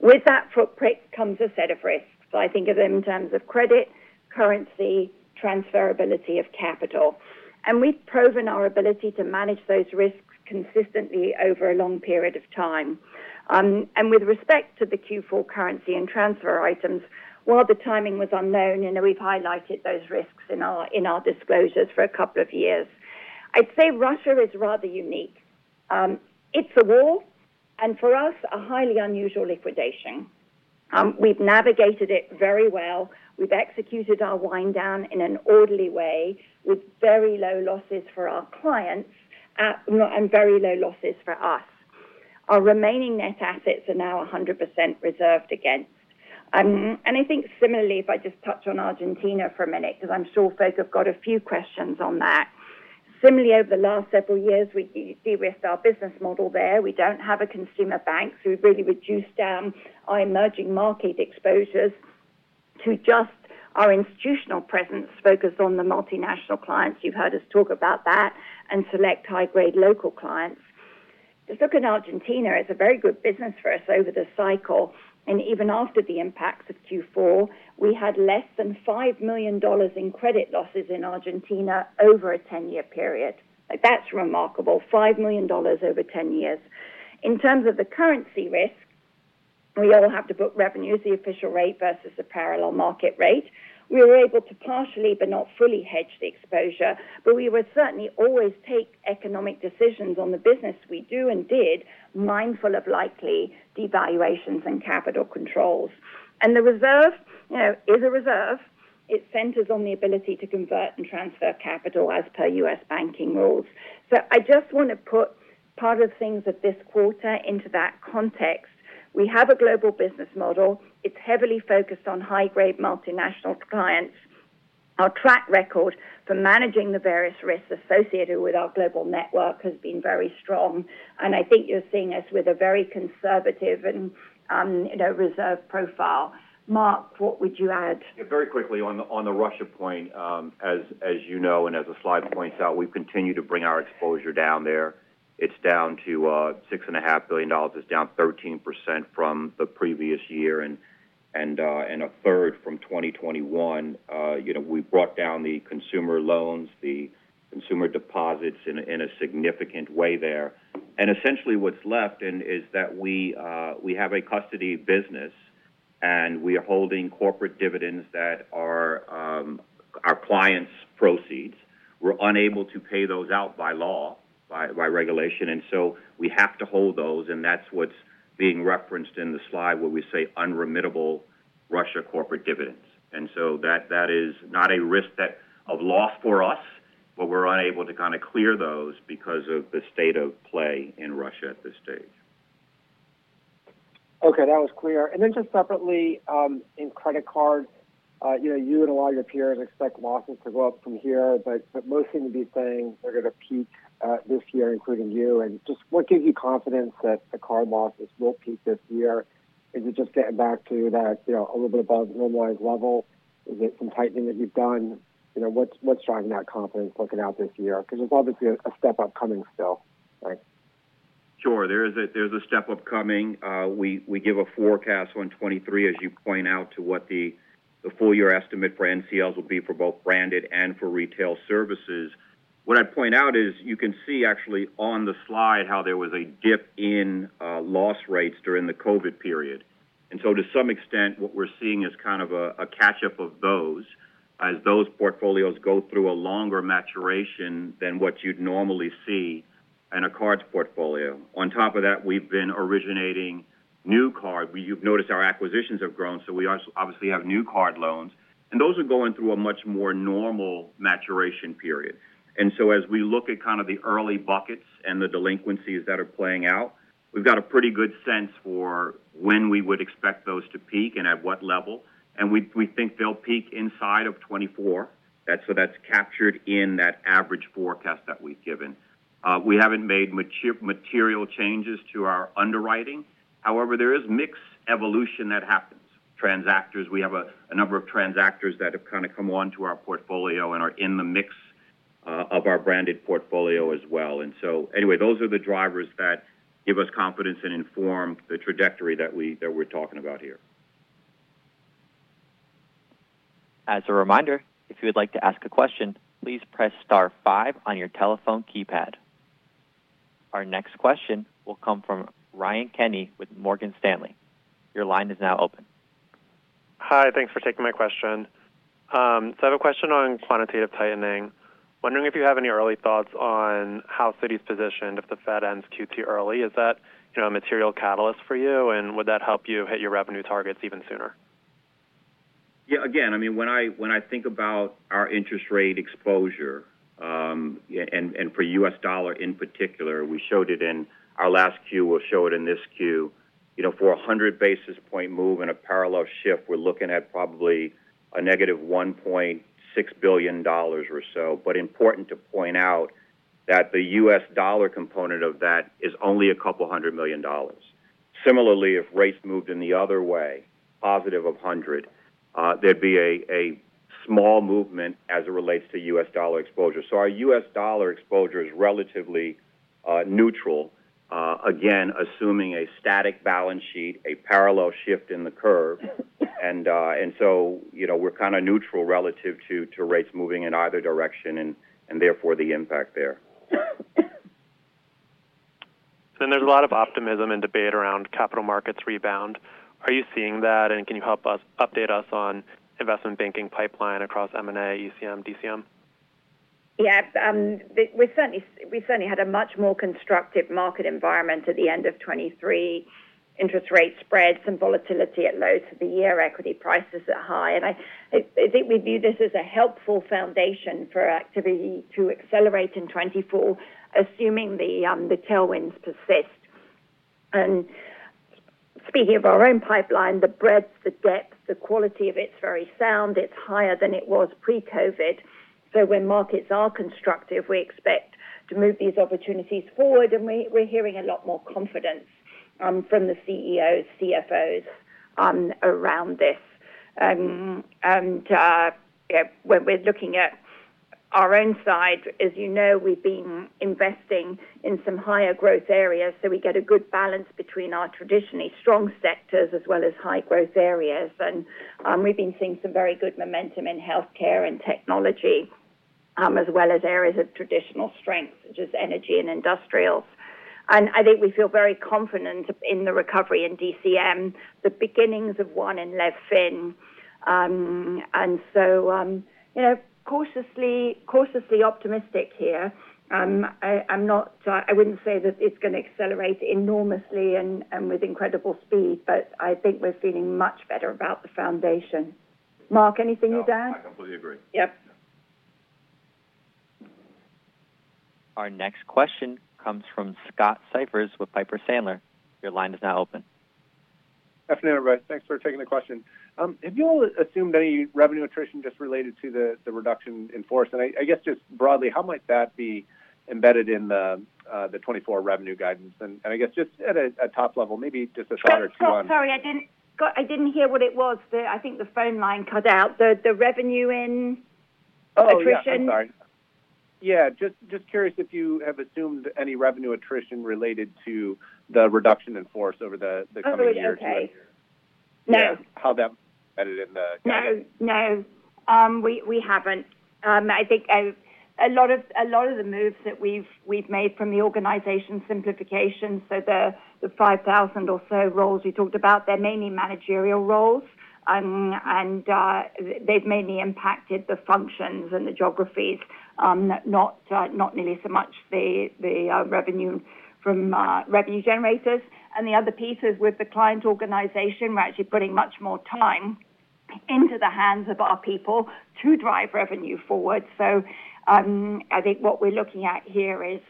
Speaker 3: With that footprint comes a set of risks. I think of them in terms of credit, currency, transferability of capital. We've proven our ability to manage those risks consistently over a long period of time. With respect to the Q4 currency and transfer items, while the timing was unknown, and we've highlighted those risks in our disclosures for a couple of years, I'd say Russia is rather unique. It's a war, and for us, a highly unusual liquidation. We've navigated it very well. We've executed our wind down in an orderly way, with very low losses for our clients, and very low losses for us. Our remaining net assets are now 100% reserved against. And I think similarly, if I just touch on Argentina for a minute, because I'm sure folks have got a few questions on that. Similarly, over the last several years, we de-risked our business model there. We don't have a consumer bank, so we've really reduced down our emerging market exposures to just our institutional presence focused on the multinational clients. You've heard us talk about that, and select high-grade local clients. Just look at Argentina, it's a very good business for us over the cycle, and even after the impacts of Q4, we had less than $5 million in credit losses in Argentina over a 10-year period. That's remarkable, $5 million over 10 years. In terms of the currency risk, we all have to book revenues, the official rate versus the parallel market rate. We were able to partially, but not fully hedge the exposure, but we would certainly always take economic decisions on the business we do and did, mindful of likely devaluations and capital controls. The reserve, you know, is a reserve. It centers on the ability to convert and transfer capital as per U.S. banking rules. So I just want to put part of things of this quarter into that context. We have a global business model. It's heavily focused on high-grade multinational clients. Our track record for managing the various risks associated with our global network has been very strong, and I think you're seeing us with a very conservative and, you know, reserved profile. Mark, what would you add?
Speaker 4: Very quickly on the Russia point, as you know, and as the slide points out, we've continued to bring our exposure down there. It's down to $6.5 billion. It's down 13% from the previous year and a third from 2021. You know, we brought down the consumer loans, the consumer deposits in a significant way there. And essentially, what's left then is that we have a custody business, and we are holding corporate dividends that are our clients' proceeds. We're unable to pay those out by law, by regulation, and so we have to hold those, and that's what's being referenced in the slide where we say unremittable Russia corporate dividends. And so, that is not a risk of loss for us, but we're unable to kind of clear those because of the state of play in Russia at this stage.
Speaker 12: Okay, that was clear. And then just separately, in credit Cards, you know, you and a lot of your peers expect losses to go up from here, but, but most seem to be saying they're going to peak, this year, including you. And just what gives you confidence that the card losses will peak this year? Is it just getting back to that, you know, a little bit above normalized level? Is it some tightening that you've done? You know, what's, what's driving that confidence looking out this year? Because there's obviously a step up coming still, right?
Speaker 4: Sure. There is a, there's a step up coming. We give a forecast on 2023, as you point out, to what the full year estimate for NCLs will be for both branded and for Retail Services. What I'd point out is you can see actually on the slide how there was a dip in loss rates during the COVID period. And so to some extent, what we're seeing is kind of a catch-up of those, as those portfolios go through a longer maturation than what you'd normally see in a Cards portfolio. On top of that, we've been originating new card. You've noticed our acquisitions have grown, so we also obviously have new card loans, and those are going through a much more normal maturation period. So as we look at kind of the early buckets and the delinquencies that are playing out, we've got a pretty good sense for when we would expect those to peak and at what level, and we think they'll peak inside of 2024. That's so that's captured in that average forecast that we've given. We haven't made material changes to our underwriting. However, there is mixed evolution that happens. Transactors, we have a number of transactors that have kind of come onto our portfolio and are in the mix of our branded portfolio as well. And so anyway, those are the drivers that give us confidence and inform the trajectory that we're talking about here.
Speaker 1: As a reminder, if you would like to ask a question, please press star five on your telephone keypad. Our next question will come from Ryan Kenny with Morgan Stanley. Your line is now open.
Speaker 13: Hi, thanks for taking my question. So I have a question on quantitative tightening. Wondering if you have any early thoughts on how Citi's positioned, if the Fed ends QT early, is that, you know, a material catalyst for you? And would that help you hit your revenue targets even sooner?
Speaker 4: Yeah, again, I mean, when I think about our interest rate exposure, yeah, and for U.S. dollar in particular, we showed it in our last Q, we'll show it in this Q. You know, for a 100 basis point move and a parallel shift, we're looking at probably a negative $1.6 billion or so. But important to point out that the U.S. dollar component of that is only a couple of hundred million dollars. Similarly, if rates moved in the other way, positive 100, there'd be a small movement as it relates to U.S. dollar exposure. So our U.S. dollar exposure is relatively neutral, again, assuming a static balance sheet, a parallel shift in the curve. So, you know, we're kind of neutral relative to rates moving in either direction and therefore the impact there.
Speaker 13: There's a lot of optimism and debate around capital markets rebound. Are you seeing that? Can you update us on investment banking pipeline across M&A, ECM, DCM?
Speaker 3: Yeah, we certainly, we certainly had a much more constructive market environment at the end of 2023. Interest rate spreads, some volatility at lows for the year, equity prices are high. And I, I think we view this as a helpful foundation for activity to accelerate in 2024, assuming the tailwinds persist. And speaking of our own pipeline, the breadth, the depth, the quality of it's very sound. It's higher than it was pre-COVID. So when Markets are constructive, we expect to move these opportunities forward, and we're hearing a lot more confidence from the CEOs, CFOs around this. And when we're looking at our own side, as you know, we've been investing in some higher growth areas, so we get a good balance between our traditionally strong sectors as well as high growth areas. We've been seeing some very good momentum in healthcare and technology, as well as areas of traditional strength, such as energy and industrial. I think we feel very confident in the recovery in DCM, the beginnings of one in fixed income. So, you know, cautiously, cautiously optimistic here. I'm not- I wouldn't say that it's going to accelerate enormously and, and with incredible speed, but I think we're feeling much better about the foundation. Mark, anything to add?
Speaker 4: I completely agree.
Speaker 3: Yep.
Speaker 1: Our next question comes from Scott Siefers with Piper Sandler. Your line is now open.
Speaker 14: Good afternoon, everybody. Thanks for taking the question. Have you all assumed any revenue attrition just related to the, the reduction in force? And I, I guess just broadly, how might that be embedded in the 2024 revenue guidance? And, and I guess just at a, a top level, maybe just a thought or two on-
Speaker 3: Sorry, I didn't, Scott, I didn't hear what it was. I think the phone line cut out. The revenue in attrition?
Speaker 14: Oh, yeah, I'm sorry. Yeah, just curious if you have assumed any revenue attrition related to the reduction in force over the coming year to our year?
Speaker 3: Okay. No.
Speaker 14: How that's embedded in the guidance?
Speaker 3: No, we haven't. I think a lot of the moves that we've made from the organization simplification, so the 5,000 or so roles we talked about, they're mainly managerial roles. And they've mainly impacted the functions and the geographies, not nearly so much the revenue from revenue generators. And the other pieces with the client organization, we're actually putting much more time into the hands of our people to drive revenue forward. So, I think what we're looking at here is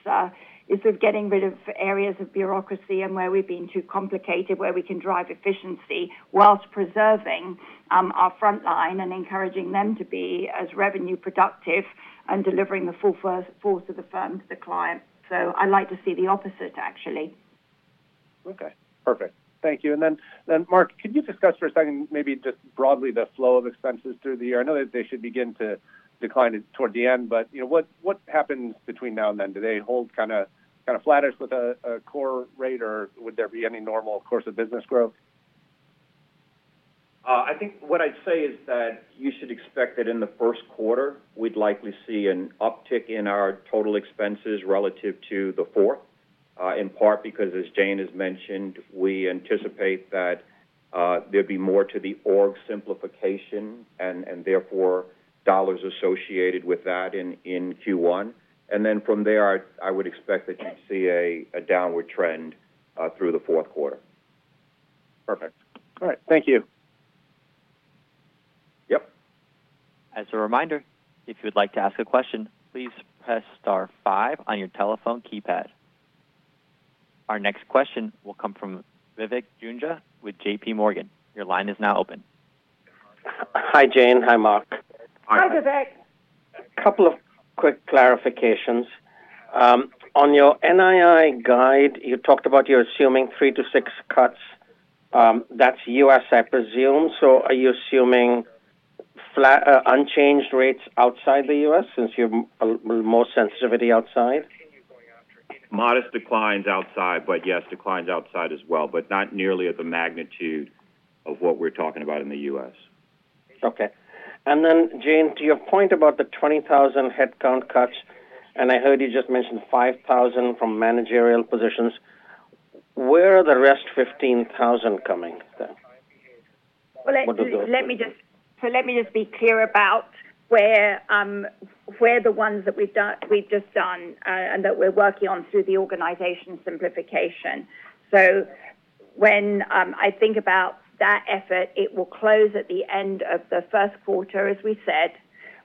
Speaker 3: of getting rid of areas of bureaucracy and where we've been too complicated, where we can drive efficiency while preserving our frontline and encouraging them to be as revenue productive and delivering the full first force of the firm to the client. So I like to see the opposite, actually.
Speaker 14: Okay, perfect. Thank you. Then Mark, could you discuss for a second, maybe just broadly, the flow of expenses through the year? I know that they should begin to decline toward the end, but, you know, what happens between now and then? Do they hold kind of flattish with a core rate, or would there be any normal course of business growth?
Speaker 4: I think what I'd say is that you should expect that in the first quarter, we'd likely see an uptick in our total expenses relative to the fourth. In part, because as Jane has mentioned, we anticipate that there'd be more to the org simplification and therefore dollars associated with that in Q1. And then from there, I would expect that you'd see a downward trend through the fourth quarter.
Speaker 14: Perfect. All right, thank you.
Speaker 4: Yep.
Speaker 1: As a reminder, if you'd like to ask a question, please press star five on your telephone keypad. Our next question will come from Vivek Juneja with J.P. Morgan. Your line is now open.
Speaker 15: Hi, Jane. Hi, Mark.
Speaker 3: Hi, Vivek.
Speaker 15: A couple of quick clarifications. On your NII guide, you talked about you're assuming three-six cuts. That's U.S., I presume. So are you assuming flat, unchanged rates outside the U.S., since you have more sensitivity outside?
Speaker 4: Modest declines outside, but yes, declines outside as well, but not nearly at the magnitude of what we're talking about in the U.S.
Speaker 15: Okay. And then, Jane, to your point about the 20,000 headcount cuts, and I heard you just mention 5,000 from managerial positions. Where are the rest 15,000 coming from?
Speaker 3: Well, let me just be clear about where the ones that we've done, we've just done, and that we're working on through the organization simplification. So when I think about that effort, it will close at the end of the first quarter, as we said.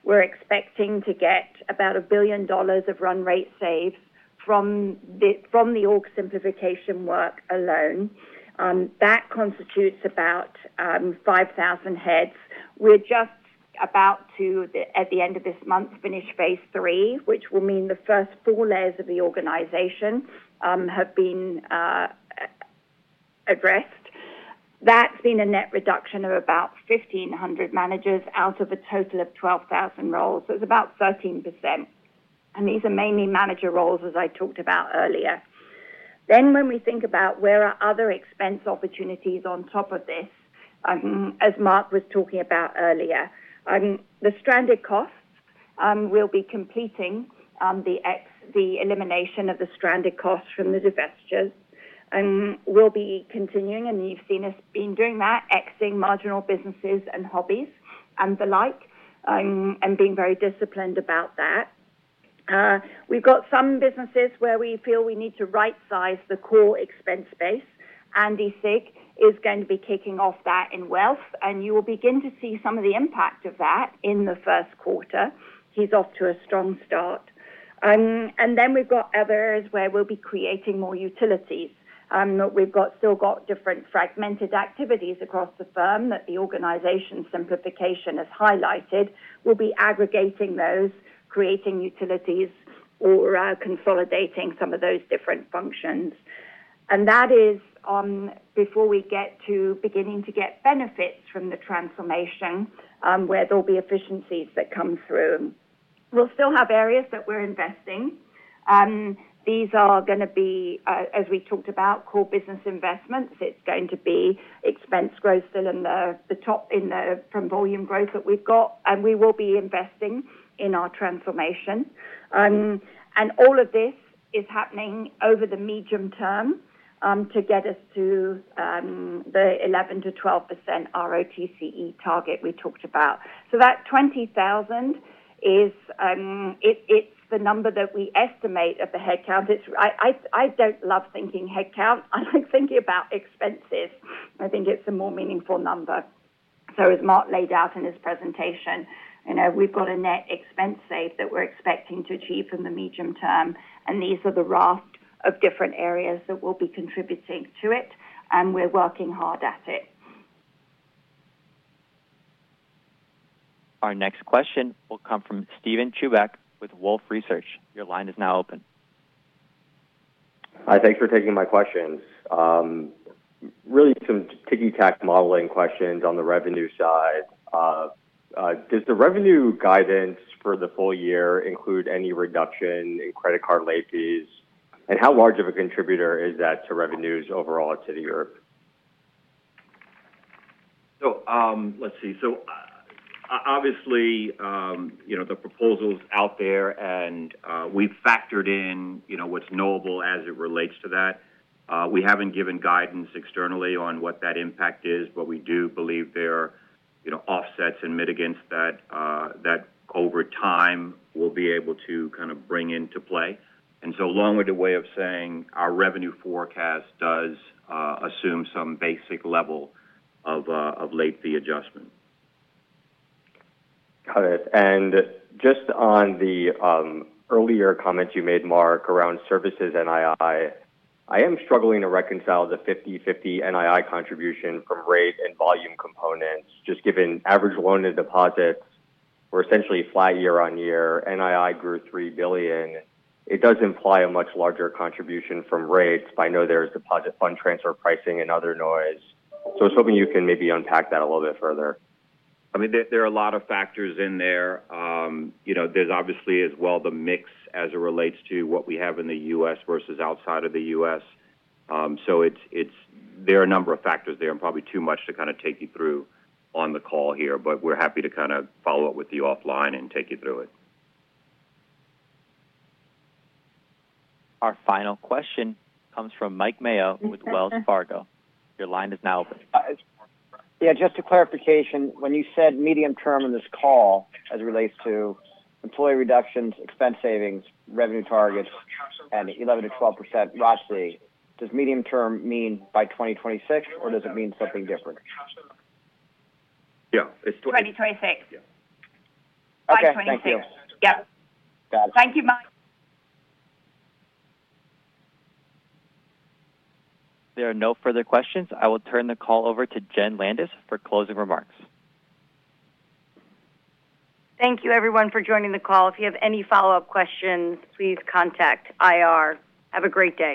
Speaker 3: We're expecting to get about $1 billion of run rate saves from the org simplification work alone. That constitutes about 5,000 heads. We're just about to, at the end of this month, finish phase three, which will mean the first four layers of the organization have been addressed. That's been a net reduction of about 1,500 managers out of a total of 12,000 roles. So it's about 13%, and these are mainly manager roles, as I talked about earlier. Then when we think about where are other expense opportunities on top of this, as Mark was talking about earlier, the stranded costs, we'll be completing the elimination of the stranded costs from the divestitures. We'll be continuing, and you've seen us been doing that, exiting marginal businesses and hobbies and the like, and being very disciplined about that. We've got some businesses where we feel we need to right-size the core expense base. Andy Sieg is going to be kicking off that in Wealth, and you will begin to see some of the impact of that in the first quarter. He's off to a strong start. And then we've got other areas where we'll be creating more utilities. We've got different fragmented activities across the firm that the organization simplification has highlighted. We'll be aggregating those, creating utilities or, consolidating some of those different functions. That is, before we get to beginning to get benefits from the transformation, where there'll be efficiencies that come through. We'll still have areas that we're investing. These are gonna be, as we talked about, core business investments. It's going to be expense growth still in the, the top in the, from volume growth that we've got, and we will be investing in our transformation. And all of this is happening over the medium term, to get us to, the 11%-12% ROTCE target we talked about. So that 20,000 is, it's the number that we estimate of the headcount. It's I don't love thinking headcount. I like thinking about expenses. I think it's a more meaningful number. So as Mark laid out in his presentation, you know, we've got a net expense save that we're expecting to achieve in the medium term, and these are the raft of different areas that we'll be contributing to it, and we're working hard at it.
Speaker 1: Our next question will come from Steven Chubak with Wolfe Research. Your line is now open.
Speaker 16: Hi, thanks for taking my questions. Really some ticky-tack modeling questions on the revenue side. Does the revenue guidance for the full year include any reduction in credit card late fees? And how large of a contributor is that to revenues overall to the year?
Speaker 4: So obviously, you know, the proposal's out there, and we've factored in, you know, what's knowable as it relates to that. We haven't given guidance externally on what that impact is, but we do believe there are, you know, offsets and mitigants that, that over time, we'll be able to kind of bring into play. And so long-winded way of saying our revenue forecast does assume some basic level of, of late fee adjustment.
Speaker 16: Got it. And just on the earlier comment you made, Mark, around services NII, I am struggling to reconcile the 50/50 NII contribution from rate and volume components, just given average loan to deposits were essentially flat year-over-year, NII grew $3 billion. It does imply a much larger contribution from rates. I know there's deposit fund transfer pricing and other noise. So I was hoping you can maybe unpack that a little bit further.
Speaker 4: I mean, there are a lot o.f factors in there. You know, there's obviously as well the mix as it relates to what we have in the U.S. versus outside of the US. So it's there are a number of factors there, and probably too much to kind of take you through on the call here, but we're happy to kind of follow up with you offline and take you through it.
Speaker 1: Our final question comes from Mike Mayo with Wells Fargo. Your line is now open.
Speaker 5: Yeah, just a clarification. When you said medium term on this call, as it relates to employee reductions, expense savings, revenue targets, and 11%-12% roughly, does medium term mean by 2026, or does it mean something different?
Speaker 4: Yeah, it's-
Speaker 3: 2026.
Speaker 4: Yeah.
Speaker 5: Okay, thank you.
Speaker 3: Yeah.
Speaker 5: Got it.
Speaker 3: Thank you, Mike.
Speaker 1: If there are no further questions, I will turn the call over to Jenn Landis for closing remarks.
Speaker 2: Thank you, everyone, for joining the call. If you have any follow-up questions, please contact IR. Have a great day.